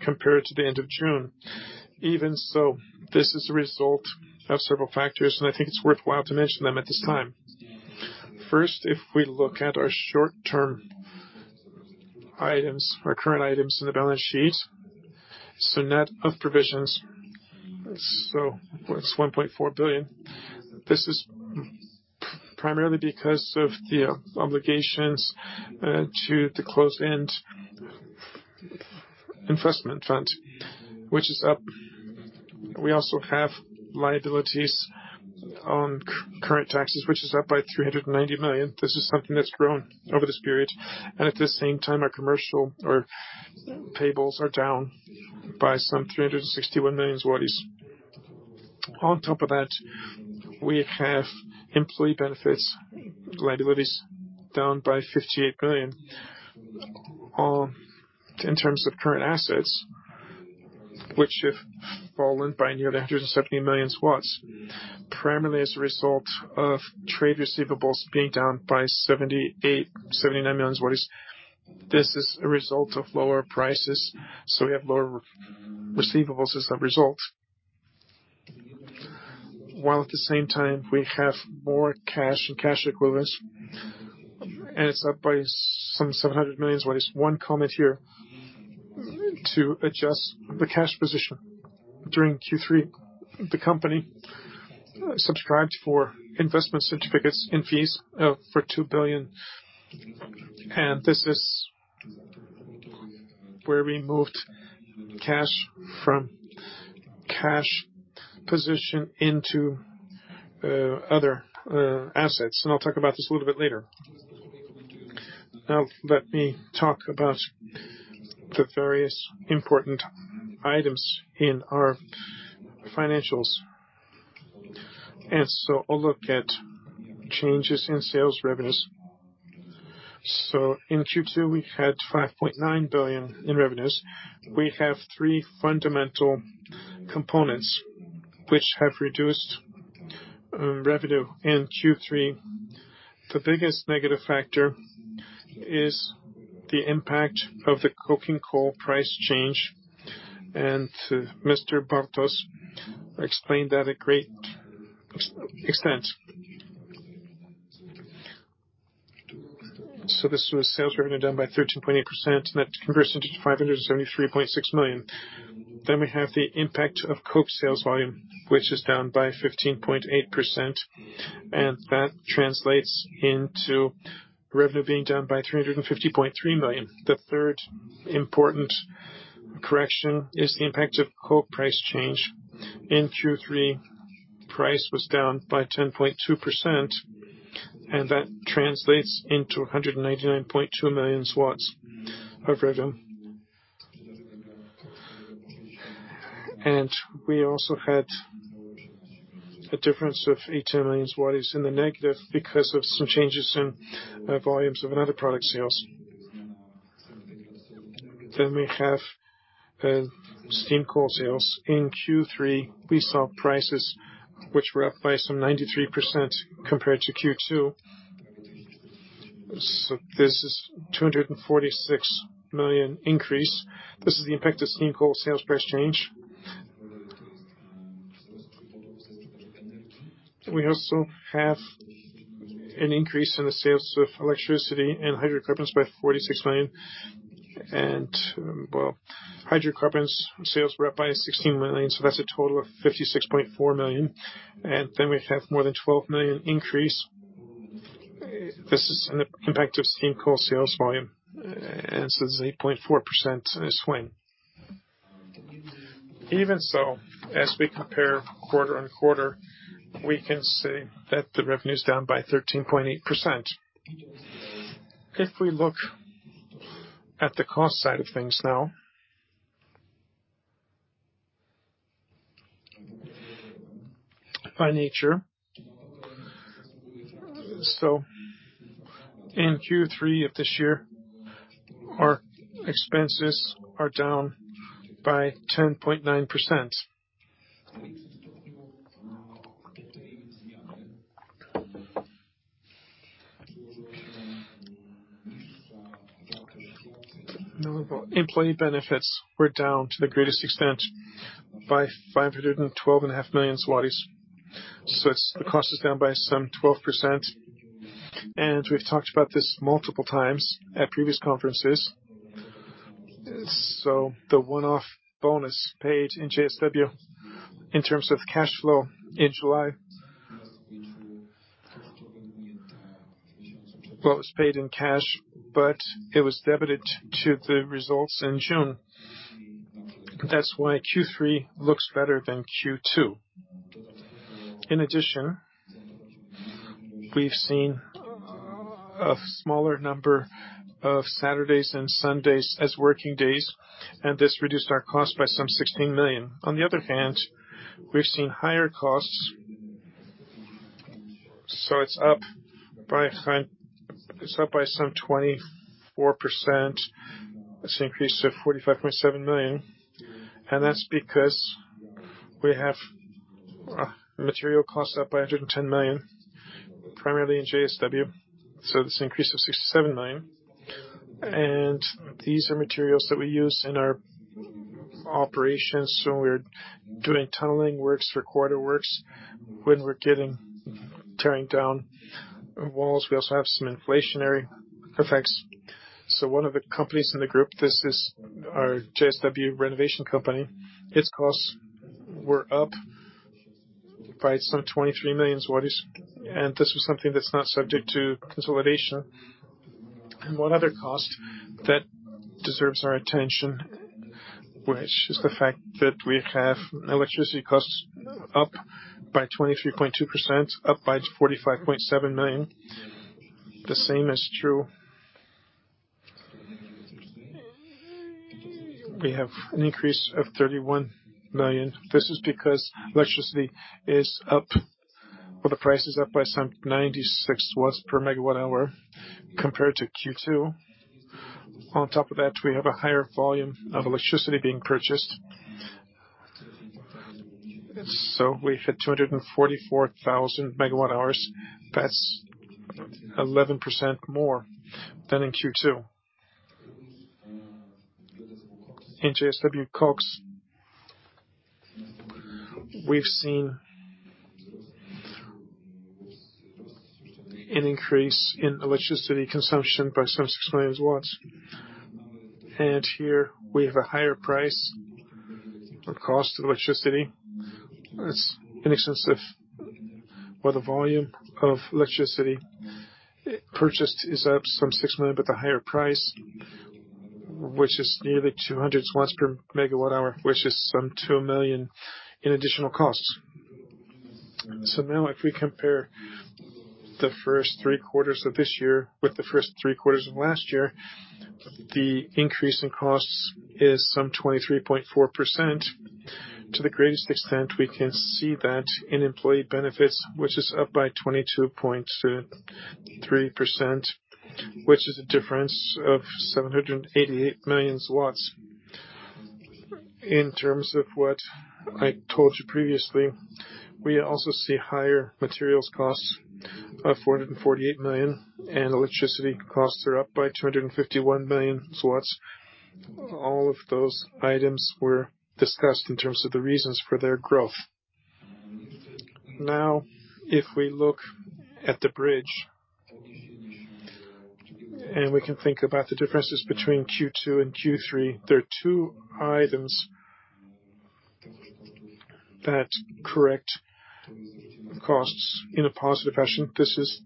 compared to the end of June. Even so, this is a result of several factors, and I think it's worthwhile to mention them at this time. First, if we look at our short-term items or current items in the balance sheet, net of provisions, it's 1.4 billion. This is primarily because of the obligations to the closed-end investment fund, which is up. We also have liabilities on current taxes, which is up by 390 million. This is something that's grown over this period. At the same time, our commercial or payables are down by some 361 million zlotys. On top of that, we have employee benefits, liabilities down by 58 billion. In terms of current assets, which have fallen by nearly 170 million, primarily as a result of trade receivables being down by 78 million-79 million. This is a result of lower prices, so we have lower receivables as a result. While at the same time, we have more cash and cash equivalents, it's up by some 700 million. One comment here to adjust the cash position. During Q3, the company subscribed for investment certificates and fees for 2 billion, and this is where we moved cash from cash position into other assets. I'll talk about this a little bit later. Let me talk about the various important items in our financials. I'll look at changes in sales revenues. In Q2, we had 5.9 billion in revenues. We have three fundamental components which have reduced revenue in Q3, the biggest negative factor is the impact of the coking coal price change. Mr. Bartos explained that at great extent. This was sales revenue down by 13.8%. That converts into 573.6 million. We have the impact of coke sales volume, which is down by 15.8%, and that translates into revenue being down by 350.3 million. The third important correction is the impact of coke price change. In Q3, price was down by 10.2%, and that translates into 199.2 million of revenue. We also had a difference of 80 million zlotys in the negative because of some changes in volumes of another product sales. We have steam coal sales. In Q3, we saw prices which were up by some 93% compared to Q2. This is a 246 million increase. This is the impact of steam coal sales price change. We also have an increase in the sales of electricity and hydrocarbons by 46 million. Well, hydrocarbons sales were up by 16 million. That's a total of 56.4 million. We have more than 12 million increase. This is an impact of steam coal sales volume, and it's a 0.4% swing. As we compare quarter on quarter, we can say that the revenue's down by 13.8%. If we look at the cost side of things now. By nature. In Q3 of this year, our expenses are down by 10.9%. Employee benefits were down to the greatest extent by 512.5 million zlotys. It's the cost is down by some 12%. We've talked about this multiple times at previous conferences. The one-off bonus paid in JSW in terms of cash flow in July. It was paid in cash, but it was debited to the results in June. That's why Q3 looks better than Q2. In addition, we've seen a smaller number of Saturdays and Sundays as working days, and this reduced our cost by some 16 million. On the other hand, we've seen higher costs. It's up by some 24%. It's increase to 45.7 million. That's because we have material costs up by 110 million, primarily in JSW. That's an increase of 67 million. These are materials that we use in our operations when we're doing tunneling works or quarter works, when we're tearing down walls. We also have some inflationary effects. One of the companies in the group, this is our JSW renovation company, its costs were up by some 23 million zlotys, and this was something that's not subject to consolidation. One other cost that deserves our attention, which is the fact that we have electricity costs up by 23.2%, up by 45.7 million. The same is true. We have an increase of 31 million. This is because electricity is up, or the price is up by some 96 per megawatt hour compared to Q2. On top of that, we have a higher volume of electricity being purchased. We've hit 244,000 megawatt hours. That's 11% more than in Q2. In JSW Koks, we've seen an increase in electricity consumption by some 6 million W. Here we have a higher price or cost of electricity. It's in excess of. Well, the volume of electricity purchased is up some 6 million, but the higher price, which is nearly 200 per megawatt hour, which is some 2 million in additional costs. Now if we compare the first 3 quarters of this year with the first three quarters of last year, the increase in costs is some 23.4%. To the greatest extent, we can see that in employee benefits, which is up by 22.3%, which is a difference of 788 million. In terms of what I told you previously, we also see higher materials costs of 448 million, and electricity costs are up by 251 million. All of those items were discussed in terms of the reasons for their growth. If we look at the bridge, and we can think about the differences between Q2 and Q3, there are two items that correct costs in a positive fashion. This is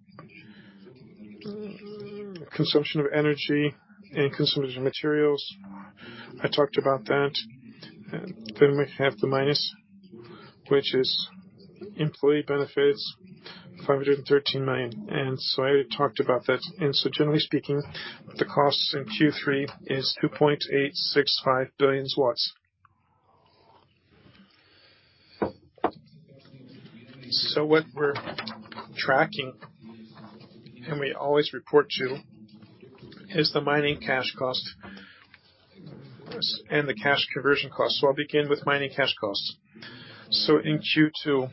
consumption of energy and consumption of materials. I talked about that. We have the minus, which is employee benefits, 513 million. I talked about that. Generally speaking, the costs in Q3 is PLN 2.865 billion. What we're tracking and we always report to is the Mining Cash Cost and the Cash Conversion Cost. I'll begin with Mining Cash Costs. In Q2,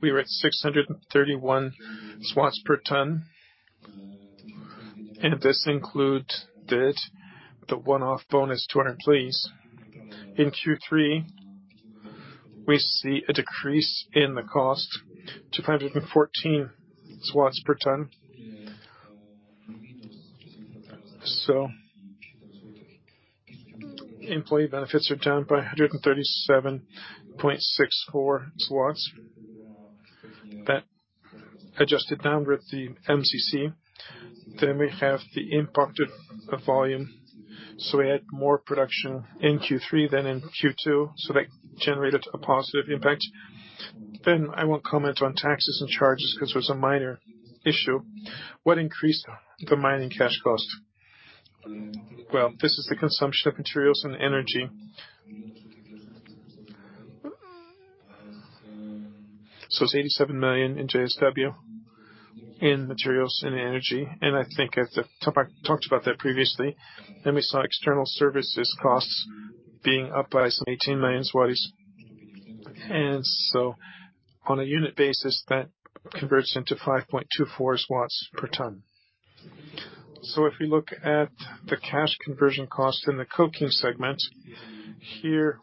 we were at 631 per ton, and this included the one-off bonus 200 please. In Q3, we see a decrease in the cost to 514 per ton. Employee benefits are down by 137.64 zlotys. That adjusted down with the MCC. We have the impacted volume. We had more production in Q3 than in Q2, so that generated a positive impact. I won't comment on taxes and charges because there's a minor issue. What increased the Mining Cash Cost? Well, this is the consumption of materials and energy. It's 87 million in JSW in materials and energy. I think at the top, I talked about that previously. We saw external services costs being up by some 18 million. On a unit basis, that converts into 5.24 per ton. If we look at the Cash Conversion Cost in the coking segment, here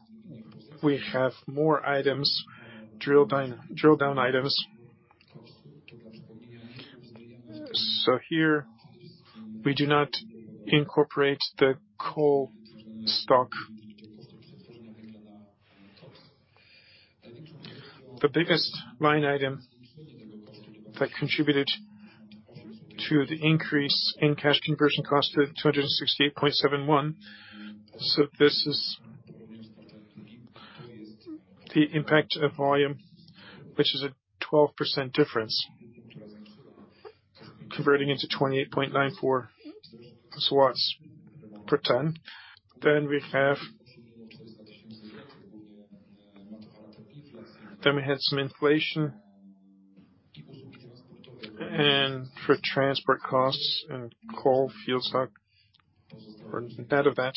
we have more items, drill down, drill down items. Here we do not incorporate the coal stock. The biggest line item that contributed to the increase in Cash Conversion Cost of 268.71. This is the impact of volume, which is a 12% difference, converting into 28.94 per ton. We had some inflation and for transport costs and coal fields stock or net of that.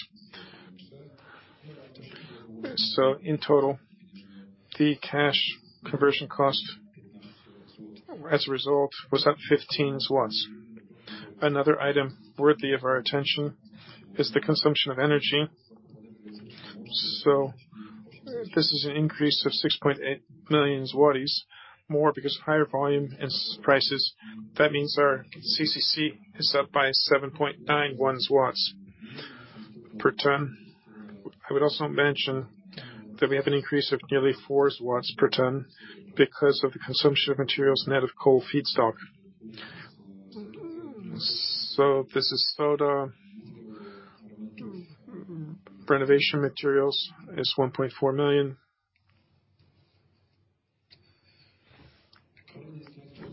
In total, the Cash Conversion Cost as a result was up 15. Another item worthy of our attention is the consumption of energy. This is an increase of 6.8 million zlotys more because higher volume and prices. That means our CCC is up by 7.91 per ton. I would also mention that we have an increase of nearly 4 per ton because of the consumption of materials net of coal feedstock. This is soda. Renovation materials is PLN 1.4 million.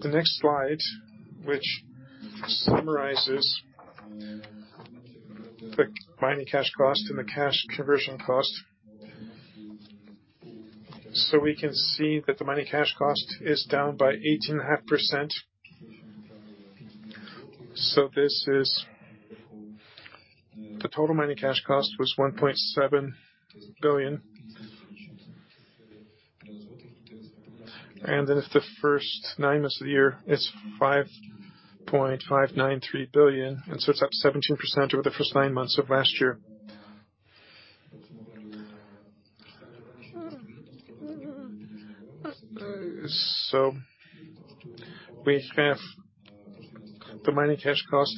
The next slide, which summarizes the Mining Cash Cost and the Cash Conversion Cost. We can see that the Mining Cash Cost is down by 18.5%. The total Mining Cash Cost was 1.7 billion. If the first nine months of the year, it's 5.593 billion, it's up 17% over the first nine months of last year. We have the Mining Cash Cost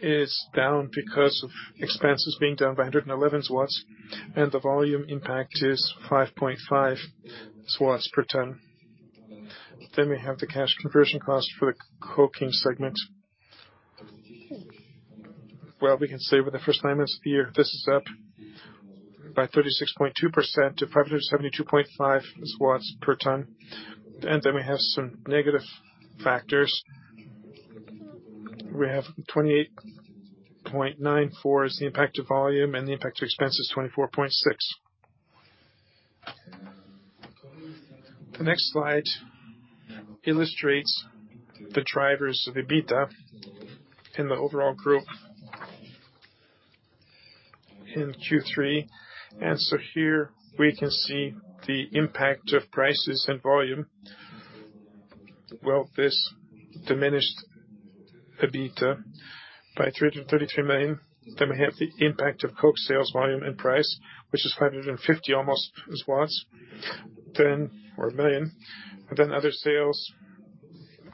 is down because of expenses being down by 111, and the volume impact is 5.5 per ton. We have the Cash Conversion Cost for the coking segment. Well, we can say with the first nine months of the year, this is up by 36.2% to 572.5 per ton. We have some negative factors. We have 28.94 is the impact of volume, and the impact of expense is 24.6. The next slide illustrates the drivers of the EBITDA in the overall group in Q3. Here we can see the impact of prices and volume. Well, this diminished EBITDA by 333 million. We have the impact of coke sales volume and price, which is 550 almost or 1 million. Other sales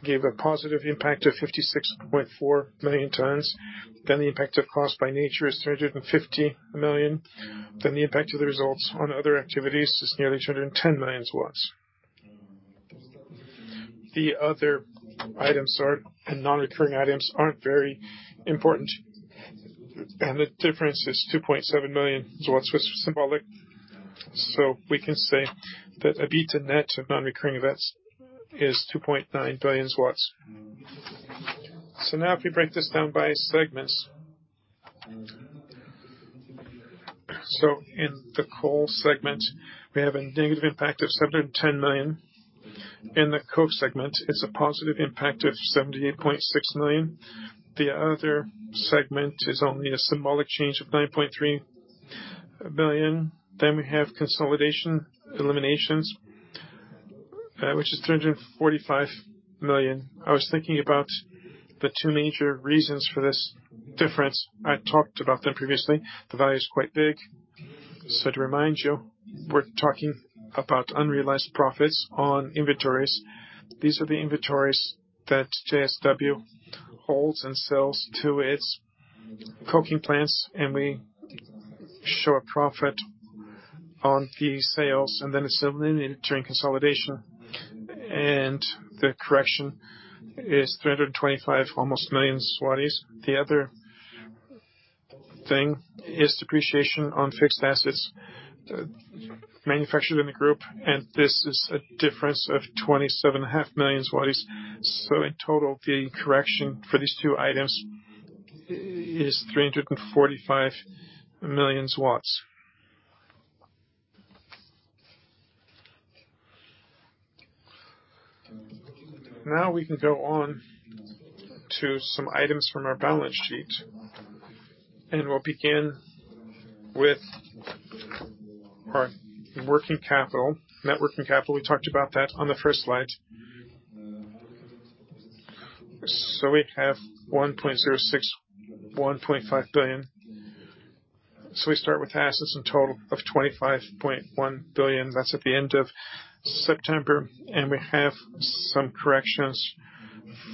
gave a positive impact of 56.4 million tons. The impact of cost by nature is 350 million. The impact of the results on other activities is nearly 210 million. The other items and non-recurring items aren't very important. The difference is 2.7 million, which is symbolic. We can say that EBITDA net of non-recurring events is 2.9 billion. Now if we break this down by segments. In the coal segment, we have a negative impact of 710 million. In the coke segment, it's a positive impact of 78.6 million. The other segment is only a symbolic change of 9.3 billion. We have consolidation eliminations, which is 345 million. I was thinking about the two major reasons for this difference. I talked about them previously. The value is quite big. To remind you, we're talking about unrealized profits on inventories. These are the inventories that JSW holds and sells to its coking plants, and we show a profit on fee sales, and then it's eliminated during consolidation. And the correction is 325 almost million złoty. The other thing is depreciation on fixed assets manufactured in the group, and this is a difference of 27.5 million złoty. In total, the correction for these two items is 345 million. We can go on to some items from our balance sheet, and we'll begin with our working capital. Net working capital, we talked about that on the first slide. We have 1.06 billion, 1.5 billion. We start with assets in total of 25.1 billion. That's at the end of September, and we have some corrections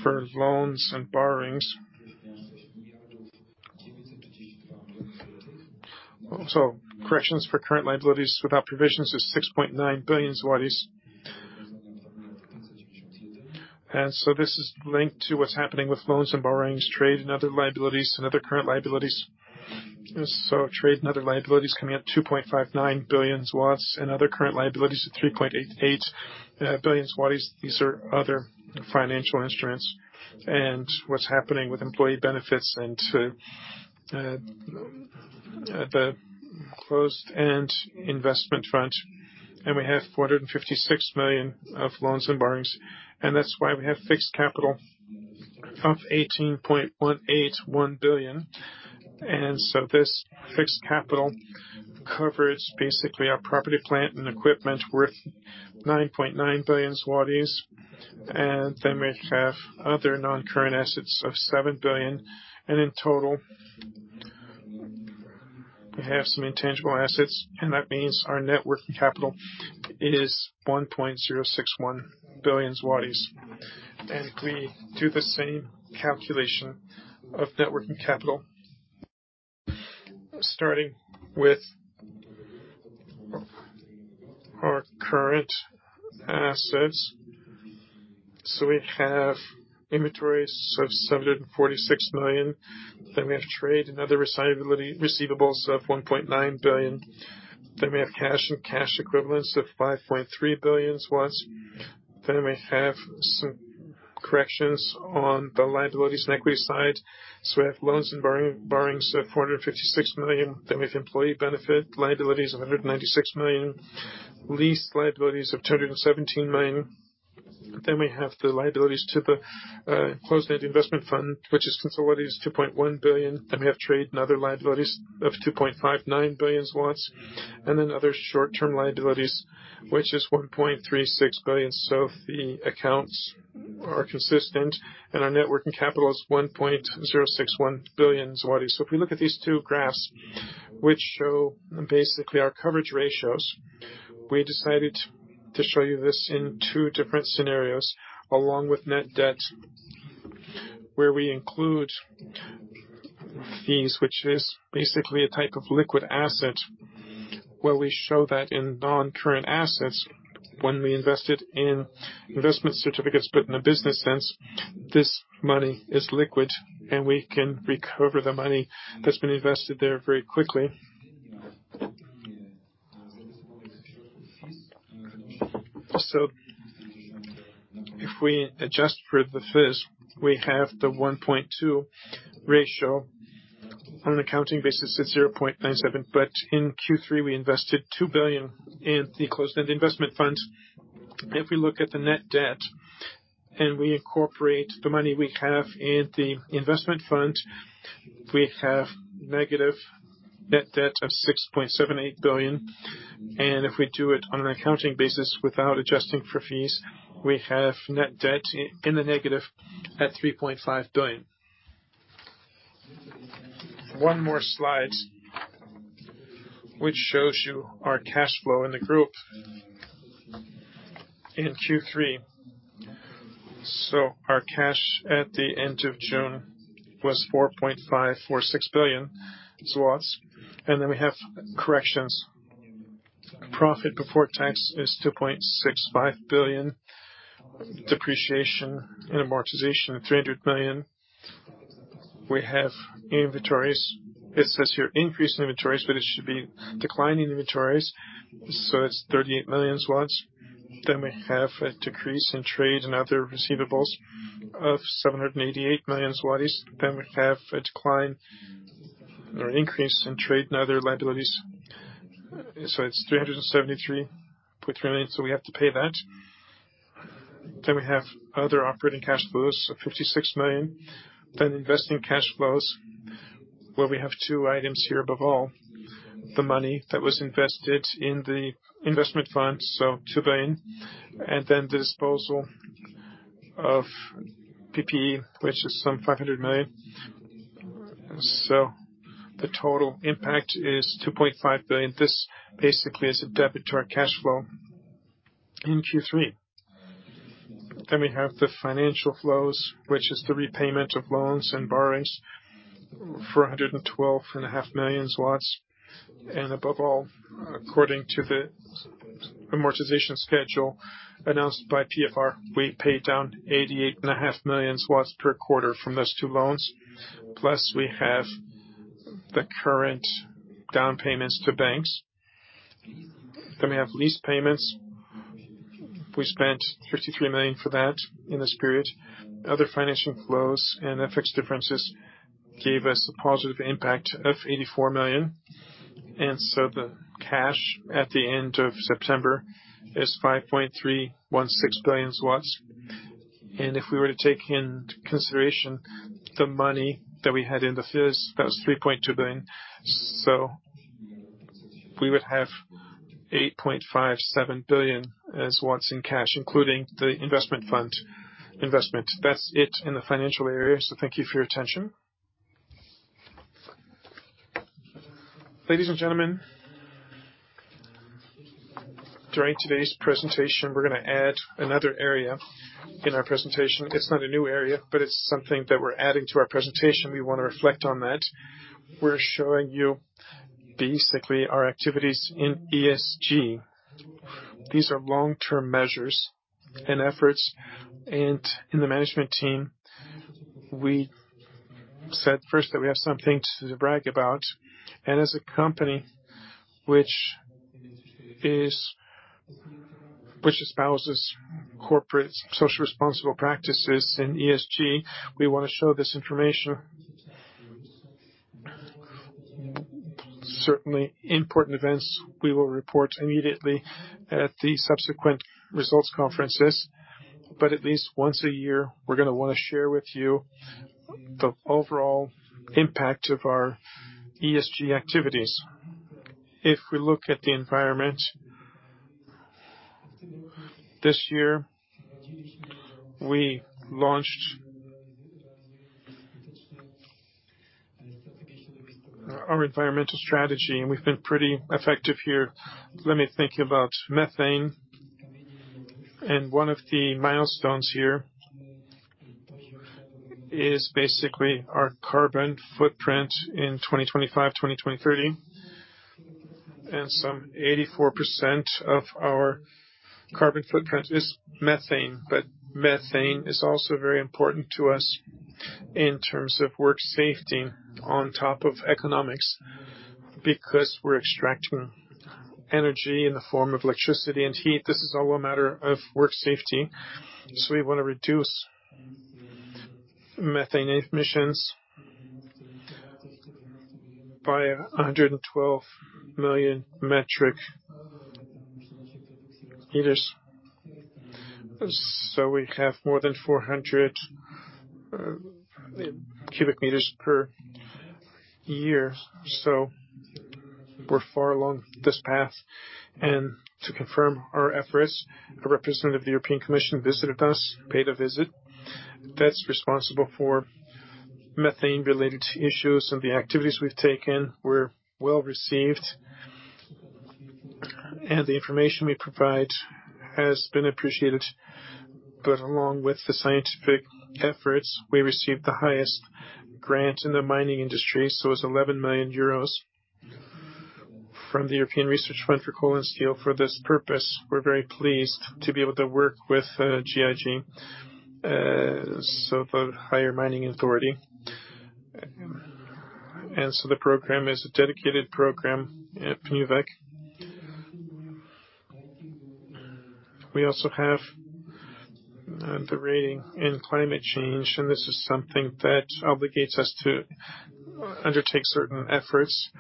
for loans and borrowings. Corrections for current liabilities without provisions is 6.9 billion zlotys. This is linked to what's happening with loans and borrowings, trade and other liabilities and other current liabilities. Trade and other liabilities coming at 2.59 billion and other current liabilities at 3.88 billion. These are other financial instruments and what's happening with employee benefits and to the closed-end investment fund. We have 456 million of loans and borrowings, and that's why we have fixed capital of 18.181 billion. This fixed capital covers basically our property, plant, and equipment worth 9.9 billion złoty. We have other non-current assets of 7 billion. In total, we have some intangible assets, and that means our net working capital is 1.061 billion złoty. We do the same calculation of net working capital, starting with our current assets. We have inventories of 746 million. We have trade and other receivables of 1.9 billion. We have cash and cash equivalents of 5.3 billion złoty. We have some corrections on the liabilities and equity side. We have loans and borrowings of 456 million. We have employee benefit liabilities of 196 million, lease liabilities of 217 million. We have the liabilities to the closed-end investment fund, which is in złoty is 2.1 billion. We have trade and other liabilities of 2.59 billion. Other short-term liabilities, which is 1.36 billion. The accounts are consistent, and our net working capital is 1.061 billion. If we look at these two graphs, which show basically our coverage ratios, we decided to show you this in two different scenarios, along with net debt, where we include FIZ, which is basically a type of liquid asset, where we show that in non-current assets when we invest it in investment certificates. In a business sense, this money is liquid, and we can recover the money that's been invested there very quickly. If we adjust for the FIZ, we have the 1.2 ratio. On an accounting basis, it's 0.97. In Q3, we invested 2 billion in the closed-end investment funds. If we look at the net debt and we incorporate the money we have in the investment fund, we have negative net debt of 6.78 billion. If we do it on an accounting basis without adjusting for fees, we have net debt in the negative at 3.5 billion. One more slide which shows you our cash flow in the group in Q3. Our cash at the end of June was 4.546 billion zlotys. Then we have corrections. Profit before tax is 2.65 billion. Depreciation and amortization, 300 million. We have inventories. It says here, increase inventories, but it should be declining inventories, so it's 38 million. We have a decrease in trade and other receivables of 788 million. We have a decline or increase in trade and other liabilities. It's 373.3 million, so we have to pay that. We have other operating cash flows of 56 million. Investing cash flows, where we have two items here above all, the money that was invested in the investment fund, so 2 billion, and the disposal of PPE, which is some 500 million. The total impact is 2.5 billion. This basically is a debit to our cash flow in Q3. We have the financial flows, which is the repayment of loans and borrowings for 112 and a half million. Above all, according to the amortization schedule announced by PFR, we paid down 88 and a half million per quarter from those two loans. We have the current down payments to banks. We have lease payments. We spent 53 million for that in this period. Other financial flows and FX differences gave us a positive impact of 84 million. The cash at the end of September is 5.316 billion. If we were to take into consideration the money that we had in the FIZ, that was 3.2 billion. We would have 8.57 billion as what's in cash, including the investment fund investment. That's it in the financial area. Thank you for your attention. Ladies and gentlemen, during today's presentation, we're gonna add another area in our presentation. It's not a new area, but it's something that we're adding to our presentation. We wanna reflect on that. We're showing you basically our activities in ESG. These are long-term measures and efforts. In the management team, we said first that we have something to brag about. As a company which espouses corporate social responsible practices in ESG, we wanna show this information. Certainly, important events we will report immediately at the subsequent results conferences, but at least once a year, we're gonna wanna share with you the overall impact of our ESG activities. If we look at the environment, this year, we launched our environmental strategy, and we've been pretty effective here. Let me think about methane. One of the milestones here is basically our carbon footprint in 2025, 2030. Some 84% of our carbon footprint is methane. Methane is also very important to us in terms of work safety on top of economics, because we're extracting energy in the form of electricity and heat. This is all a matter of work safety. We wanna reduce methane emissions by 112 million metric liters. We have more than 400 cu m per year. We're far along this path. To confirm our efforts, a representative of the European Commission visited us, paid a visit. That's responsible for methane-related issues and the activities we've taken were well-received. The information we provide has been appreciated. Along with the scientific efforts, we received the highest grant in the mining industry. It's 11 million euros from the European Research Fund for Coal and Steel. For this purpose, we're very pleased to be able to work with GIG, so the Higher Mining Authority. The program is a dedicated program at Pniówek. We also have the rating in climate change, and this is something that obligates us to undertake certain efforts.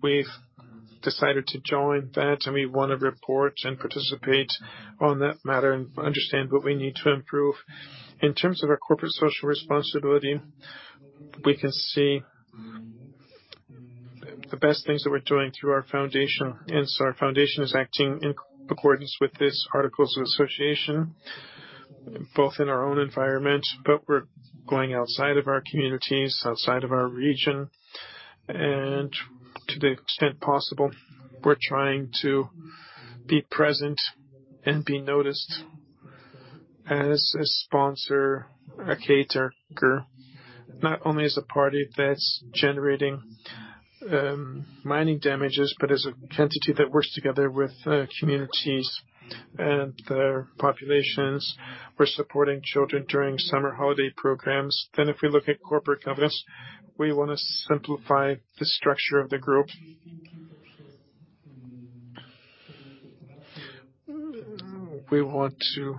We've decided to join that, and we wanna report and participate on that matter and understand what we need to improve. In terms of our corporate social responsibility, we can see the best things that we're doing through our foundation. Our foundation is acting in accordance with this articles association, both in our own environment, but we're going outside of our communities, outside of our region. To the extent possible, we're trying to be present and be noticed as a sponsor, a caterer, not only as a party that's generating mining damages, but as an entity that works together with communities and their populations. We're supporting children during summer holiday programs. If we look at corporate governance, we wanna simplify the structure of the group. We want to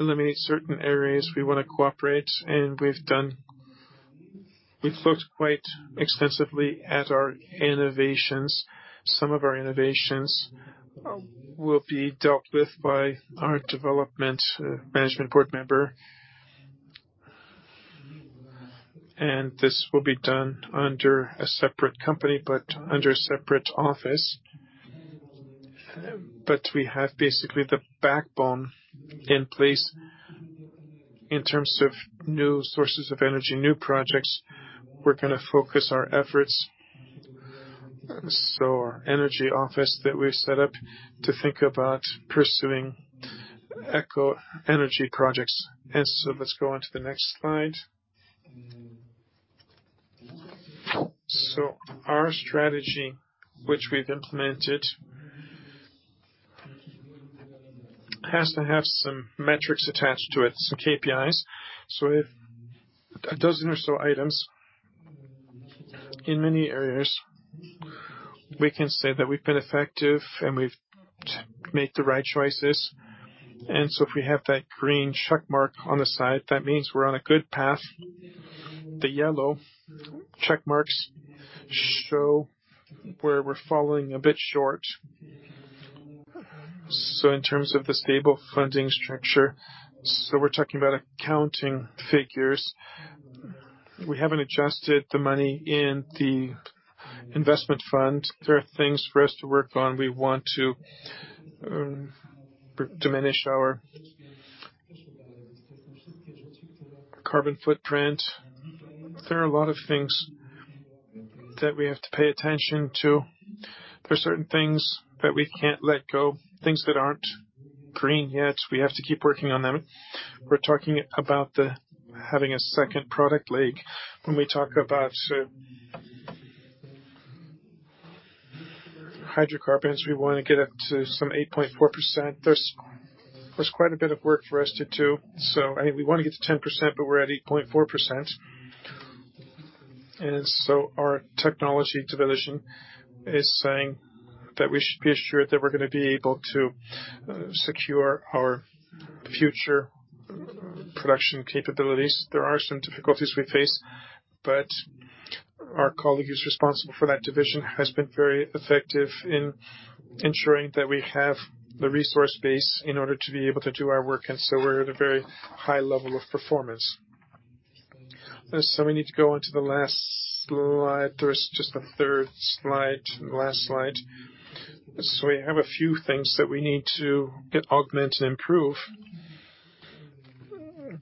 eliminate certain areas. We wanna cooperate, and We've looked quite extensively at our innovations. Some of our innovations will be dealt with by our development management board member. This will be done under a separate company, but under a separate office. We have basically the backbone in place in terms of new sources of energy, new projects. We're gonna focus our efforts, so our energy office that we've set up to think about pursuing eco energy projects. Let's go on to the next slide. Our strategy, which we've implemented, has to have some metrics attached to it, some KPIs. We have a dozen or so items. In many areas, we can say that we've been effective, and we've make the right choices. If we have that green check mark on the side, that means we're on a good path. The yellow check marks show where we're following a bit short. In terms of the stable funding structure, so we're talking about accounting figures. We haven't adjusted the money in the investment fund. There are things for us to work on. We want to diminish our carbon footprint. There are a lot of things that we have to pay attention to. There are certain things that we can't let go, things that aren't green yet. We have to keep working on them. We're talking about having a second product leg. When we talk about hydrocarbons, we wanna get up to some 8.4%. There's quite a bit of work for us to do. I mean, we wanna get to 10%, but we're at 8.4%. Our technology division is saying that we should be assured that we're gonna be able to secure our future production capabilities. There are some difficulties we face, but our colleague who's responsible for that division has been very effective in ensuring that we have the resource base in order to be able to do our work. We're at a very high level of performance. We need to go on to the last slide. There's just a third slide and last slide. We have a few things that we need to augment and improve.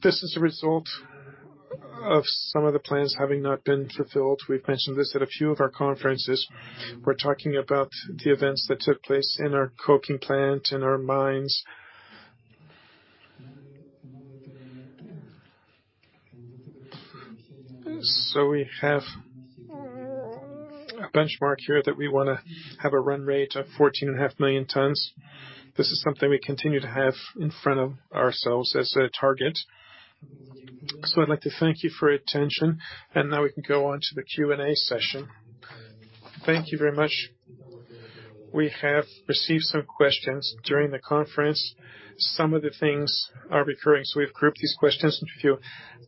This is a result of some of the plans having not been fulfilled. We've mentioned this at a few of our conferences. We're talking about the events that took place in our coking plant, in our mines. We have a benchmark here that we wanna have a run rate of 14.5 million tons. This is something we continue to have in front of ourselves as a target. I'd like to thank you for your attention, and now we can go on to the Q&A session. Thank you very much. We have received some questions during the conference. Some of the things are recurring, so we've grouped these questions into a few.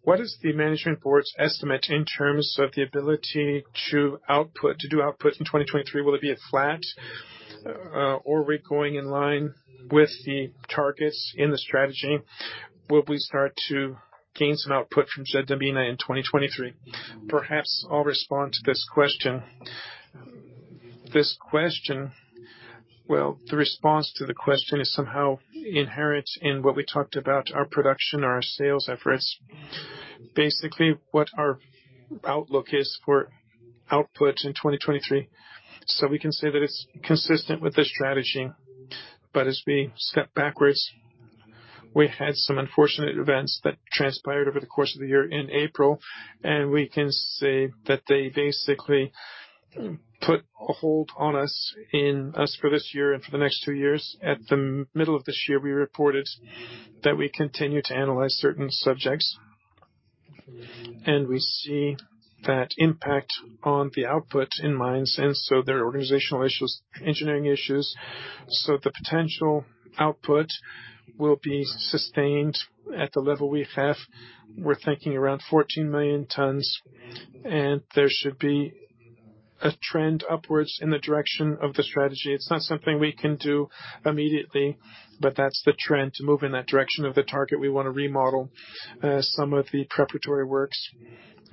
What is the management board's estimate in terms of the ability to output, to do output in 2023? Will it be a flat, or are we going in line with the targets in the strategy? Will we start to gain some output from Jadwiga in 2023? Perhaps I'll respond to this question. Well, the response to the question is somehow inherent in what we talked about our production, our sales efforts. Basically, what our outlook is for output in 2023. We can say that it's consistent with the strategy. As we step backwards, we had some unfortunate events that transpired over the course of the year in April, and we can say that they basically put a hold on us for this year and for the next two years. At the middle of this year, we reported that we continue to analyze certain subjects, and we see that impact on the output in mines. So there are organizational issues, engineering issues. So the potential output will be sustained at the level we have. We're thinking around 14 million tons, and there should be a trend upwards in the direction of the strategy. It's not something we can do immediately, but that's the trend, to move in that direction of the target. We want to remodel some of the preparatory works.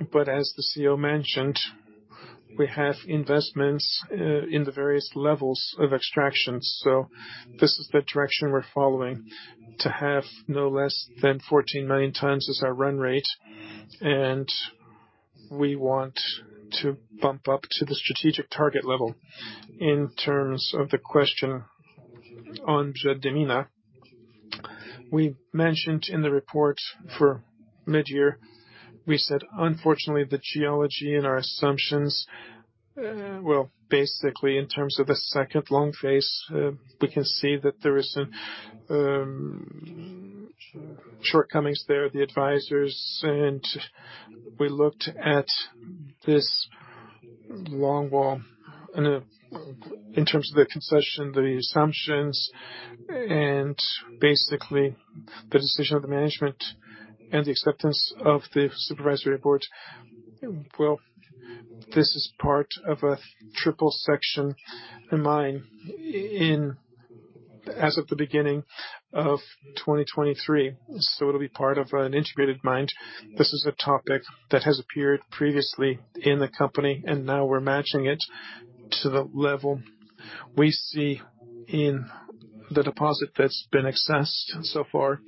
As the CEO mentioned, we have investments in the various levels of extraction. This is the direction we're following, to have no less than 14 million times as our run rate, and we want to bump up to the strategic target level. In terms of the question on Żerdamina, we mentioned in the report for mid-year, we said, unfortunately, the geology and our assumptions, well, basically, in terms of the second long face, we can see that there is shortcomings there, the advisors. We looked at this long wall in terms of the concession, the assumptions, and basically the decision of the management and the acceptance of the supervisory board. Well, this is part of a triple section in mine as of the beginning of 2023. It'll be part of an integrated mine. This is a topic that has appeared previously in the company, now we're matching it to the level we see in the deposit that's been accessed so far.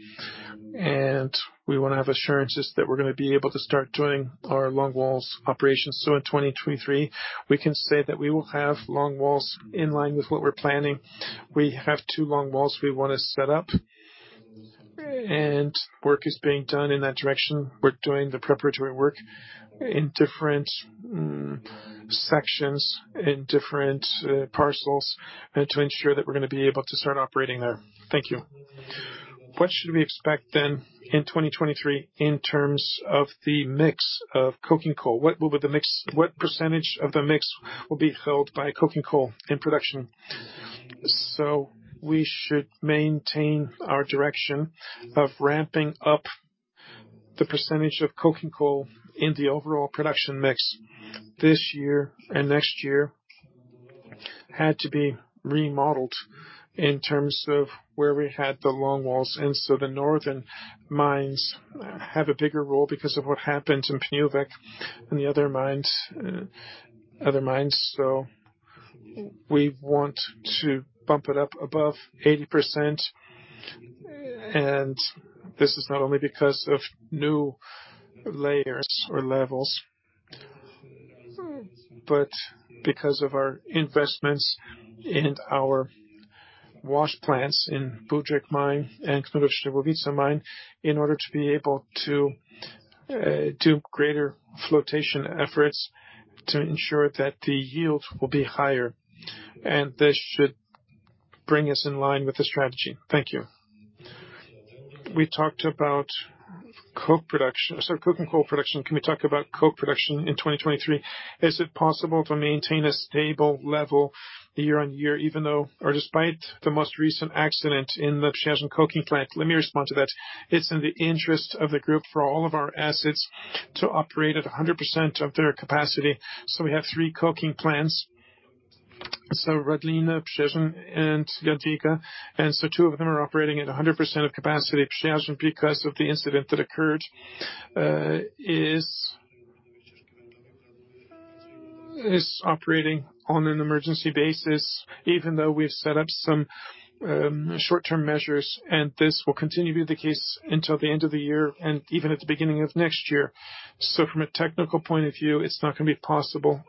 We wanna have assurances that we're gonna be able to start doing our longwalls operations. In 2023, we can say that we will have longwalls in line with what we're planning. We have two longwalls we wanna set up, and work is being done in that direction. We're doing the preparatory work in different sections, in different parcels to ensure that we're gonna be able to start operating there. Thank you. What should we expect then in 2023 in terms of the mix of coking coal? What would be the mix? What percentage of the mix will be held by coking coal in production? We should maintain our direction of ramping up the 80% of coking coal in the overall production mix. This year and next year had to be remodeled in terms of where we had the longwalls. The northern mines have a bigger role because of what happened in Pniówek and the other mines. We want to bump it up above 80%. This is not only because of new layers or levels, but because of our investments in our wash plants in Budryk Mine and Knurów-Szczygłowice Mine, in order to be able to do greater flotation efforts to ensure that the yield will be higher. This should bring us in line with the strategy. Thank you. We talked about coke production. Coking coal production. Can we talk about coke production in 2023? Is it possible to maintain a stable level year on year, even though or despite the most recent accident in the Przyjaźń coking plant? Let me respond to that. It's in the interest of the group for all of our assets to operate at 100% of their capacity. We have three coking plants: Radlin, Przyjaźń, and Jadwiga. Two of them are operating at 100% of capacity. Przyjaźń, because of the incident that occurred, is operating on an emergency basis, even though we've set up some short-term measures, and this will continue to be the case until the end of the year and even at the beginning of next year. From a technical point of view, it's not gonna be possible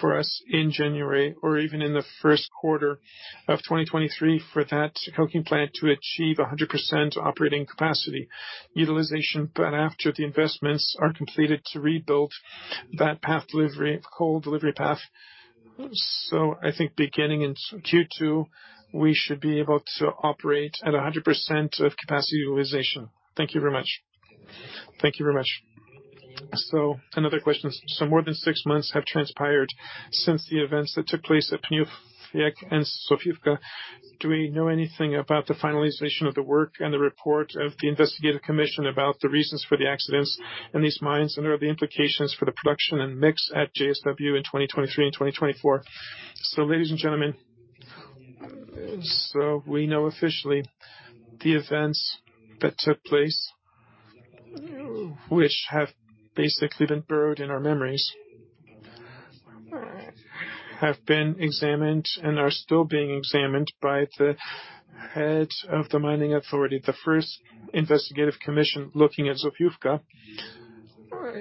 for us in January or even in the first quarter of 2023 for that coking plant to achieve 100% operating capacity utilization. After the investments are completed to rebuild that coal delivery path. I think beginning in Q2, we should be able to operate at 100% of capacity utilization. Thank you very much. Another question. More than six months have transpired since the events that took place at Pniówek and Zofiówka. Do we know anything about the finalization of the work and the report of the investigative commission about the reasons for the accidents in these mines? Are there any implications for the production and mix at JSW in 2023 and 2024? Ladies and gentlemen, we know officially the events that took place, which have basically been buried in our memories, have been examined and are still being examined by the head of the State Mining Authority. The first investigative commission looking at Zofiówka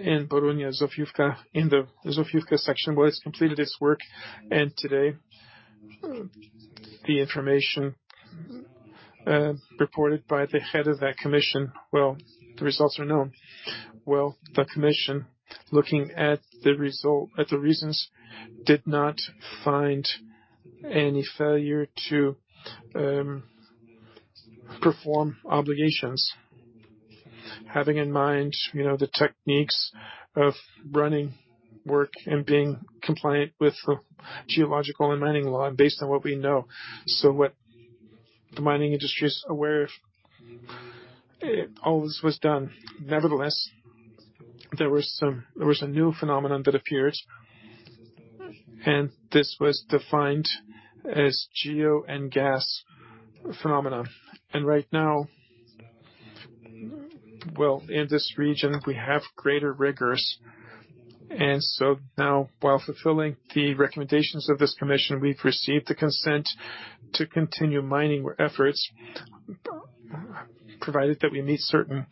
in Borynia, in the Zofiówka section, well, it's completed its work, and today, the information reported by the head of that commission. Well, the results are known. Well, the commission, looking at the reasons, did not find any failure to perform obligations. Having in mind, you know, the techniques of running work and being compliant with the Geological and Mining Law and based on what we know. What the mining industry is aware of, all this was done. Nevertheless, there was a new phenomenon that appeared, and this was defined as geo and gas phenomena. Well, in this region, we have greater rigors. Now, while fulfilling the recommendations of this commission, we've received the consent to continue mining where efforts, provided that we meet certain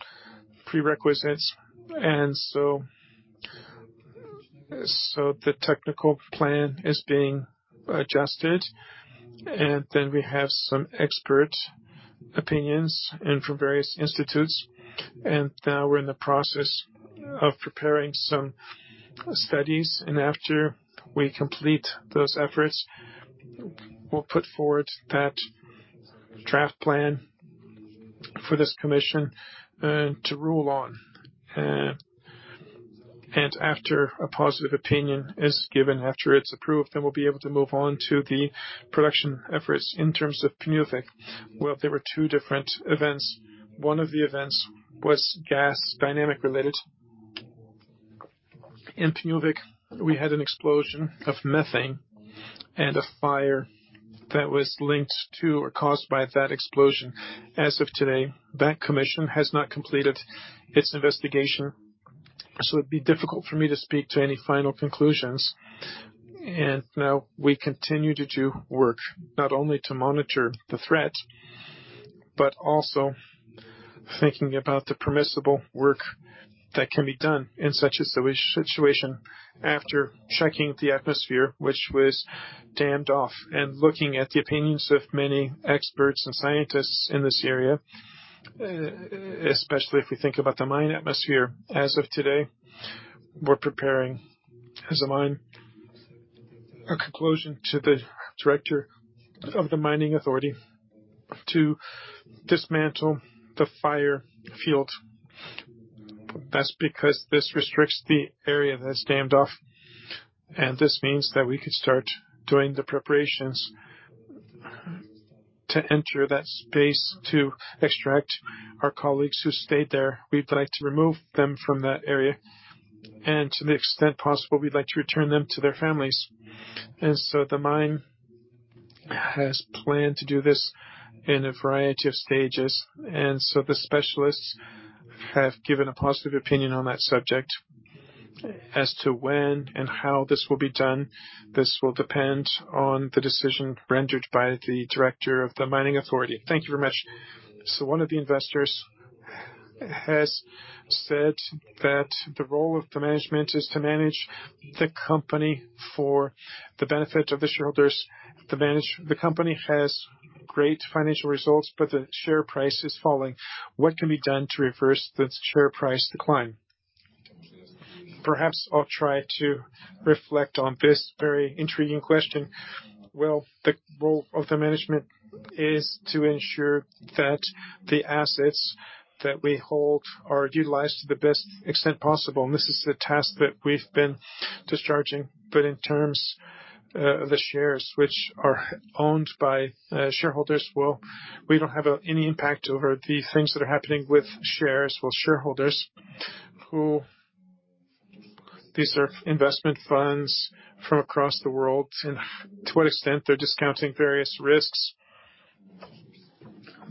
prerequisites. The technical plan is being adjusted, we have some expert opinions from various institutes, we're in the process of preparing some studies. After we complete those efforts, we'll put forward that draft plan for this commission to rule on. After a positive opinion is given, after it's approved, we'll be able to move on to the production efforts. In terms of Pniówek, well, there were two different events. One of the events was gas dynamic related. In Pniówek, we had an explosion of methane and a fire that was linked to or caused by that explosion. As of today, that commission has not completed its investigation, so it'd be difficult for me to speak to any final conclusions. Now we continue to do work not only to monitor the threat, but also thinking about the permissible work that can be done in such a situation. After checking the atmosphere, which was dammed off, and looking at the opinions of many experts and scientists in this area, especially if we think about the mine atmosphere, as of today, we're preparing, as a mine, a conclusion to the director of the State Mining Authority to dismantle the fire field. That's because this restricts the area that's dammed off, and this means that we could start doing the preparations to enter that space to extract our colleagues who stayed there. We'd like to remove them from that area, and to the extent possible, we'd like to return them to their families. The mine has planned to do this in a variety of stages, and so the specialists have given a positive opinion on that subject. As to when and how this will be done, this will depend on the decision rendered by the director of the State Mining Authority. Thank you very much. One of the investors has said that the role of the management is to manage the company for the benefit of the shareholders. The company has great financial results, but the share price is falling. What can be done to reverse the share price decline? Perhaps I'll try to reflect on this very intriguing question. Well, the role of the management is to ensure that the assets that we hold are utilized to the best extent possible, and this is the task that we've been discharging. In terms of the shares which are owned by shareholders, well, we don't have any impact over the things that are happening with shares. Well, shareholders. These are investment funds from across the world and to what extent they're discounting various risks.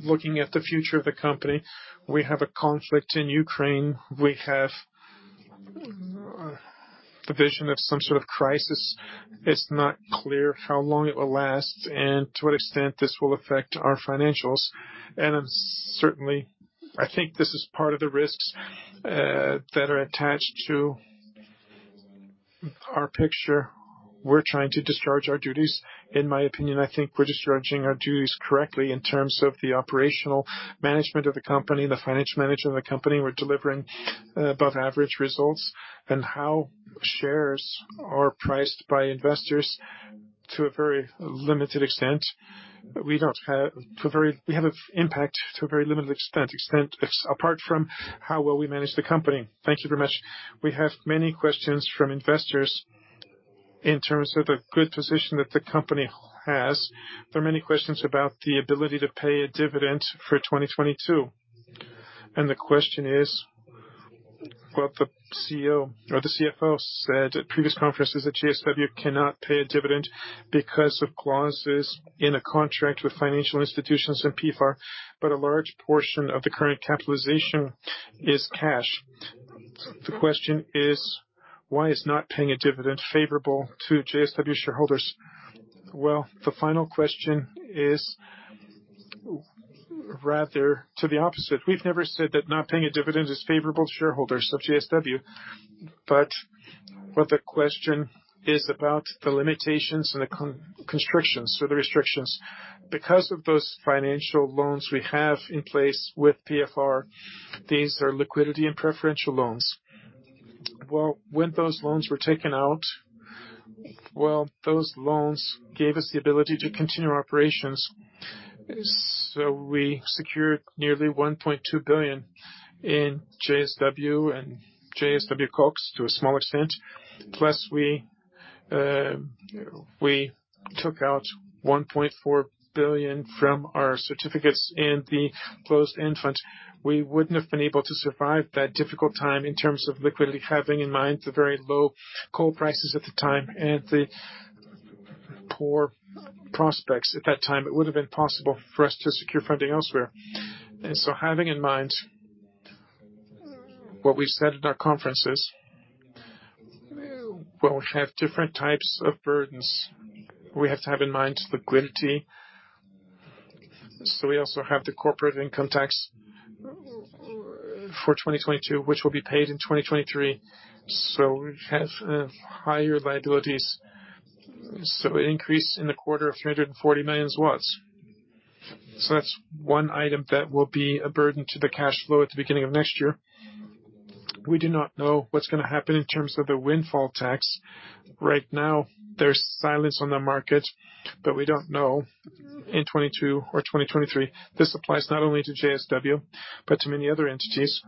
Looking at the future of the company, we have a conflict in Ukraine. We have the vision of some sort of crisis. It's not clear how long it will last and to what extent this will affect our financials. Certainly, I think this is part of the risks that are attached to our picture. We're trying to discharge our duties. In my opinion, I think we're discharging our duties correctly in terms of the operational management of the company, the financial management of the company. We're delivering above average results and how shares are priced by investors to a very limited extent. We have impact to a very limited extent apart from how well we manage the company. Thank you very much. We have many questions from investors in terms of the good position that the company has. There are many questions about the ability to pay a dividend for 2022. The question is, what the CEO or the CFO said at previous conferences that JSW cannot pay a dividend because of clauses in a contract with financial institutions and PFR, but a large portion of the current capitalization is cash. The question is, why is not paying a dividend favorable to JSW shareholders? The final question is rather to the opposite. We've never said that not paying a dividend is favorable to shareholders of JSW. What the question is about the limitations and the constrictions or the restrictions. Because of those financial loans we have in place with PFR, these are liquidity and preferential loans. When those loans were taken out, those loans gave us the ability to continue our operations. So we secured nearly 1.2 billion in JSW and JSW Koks to a small extent. Plus we took out 1.4 billion from our certificates in the closed-end investment fund. We wouldn't have been able to survive that difficult time in terms of liquidity, having in mind the very low coal prices at the time and the poor prospects at that time, it would have been possible for us to secure funding elsewhere. Having in mind what we've said at our conferences, well, we have different types of burdens we have to have in mind liquidity. We also have the corporate income tax for 2022, which will be paid in 2023. We have higher liabilities. An increase in the quarter of 340 million W. That's one item that will be a burden to the cash flow at the beginning of next year. We do not know what's gonna happen in terms of the windfall tax. Right now, there's silence on the market, we don't know in 2022 or 2023. This applies not only to JSW, but to many other entities.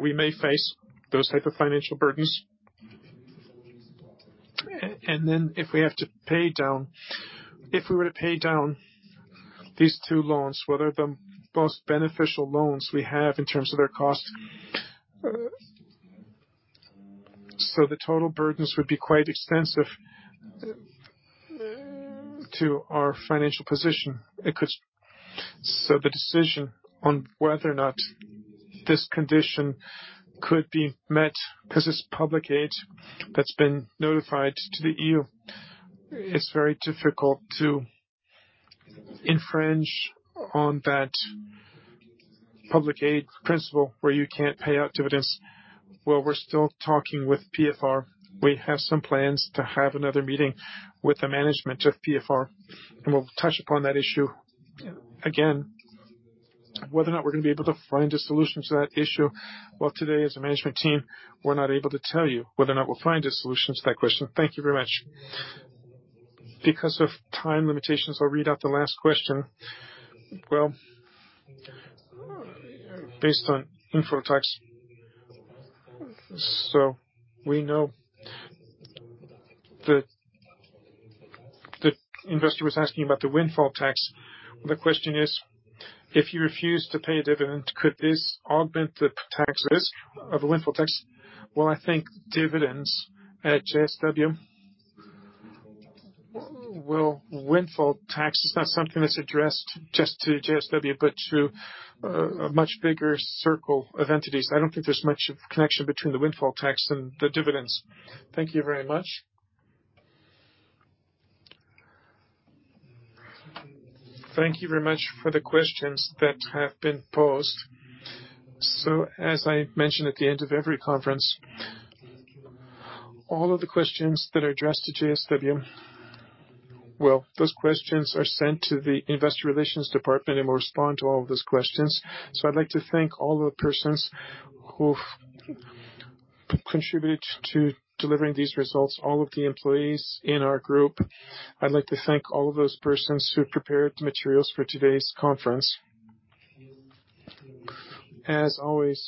We may face those type of financial burdens. If we were to pay down these 2 loans, what are the most beneficial loans we have in terms of their costs? The total burdens would be quite extensive to our financial position. The decision on whether or not this condition could be met, 'cause it's public aid that's been notified to the E.U. It's very difficult to infringe on that public aid principle where you can't pay out dividends. Well, we're still talking with PFR. We have some plans to have another meeting with the management of PFR, we'll touch upon that issue again, whether or not we're gonna be able to find a solution to that issue. Today as a management team, we're not able to tell you whether or not we'll find a solution to that question. Thank you very much. Because of time limitations, I'll read out the last question. Based on inflow tax. We know the investor was asking about the windfall tax. The question is, if you refuse to pay a dividend, could this augment the taxes of a windfall tax? I think dividends at JSW, well, windfall tax is not something that's addressed just to JSW, but to a much bigger circle of entities. I don't think there's much connection between the windfall tax and the dividends. Thank you very much. Thank you very much for the questions that have been posed. As I mentioned at the end of every conference, all of the questions that are addressed to JSW, well, those questions are sent to the investor relations department and will respond to all of those questions. I'd like to thank all the persons who've contribute to delivering these results, all of the employees in our group. I'd like to thank all of those persons who prepared the materials for today's conference. As always.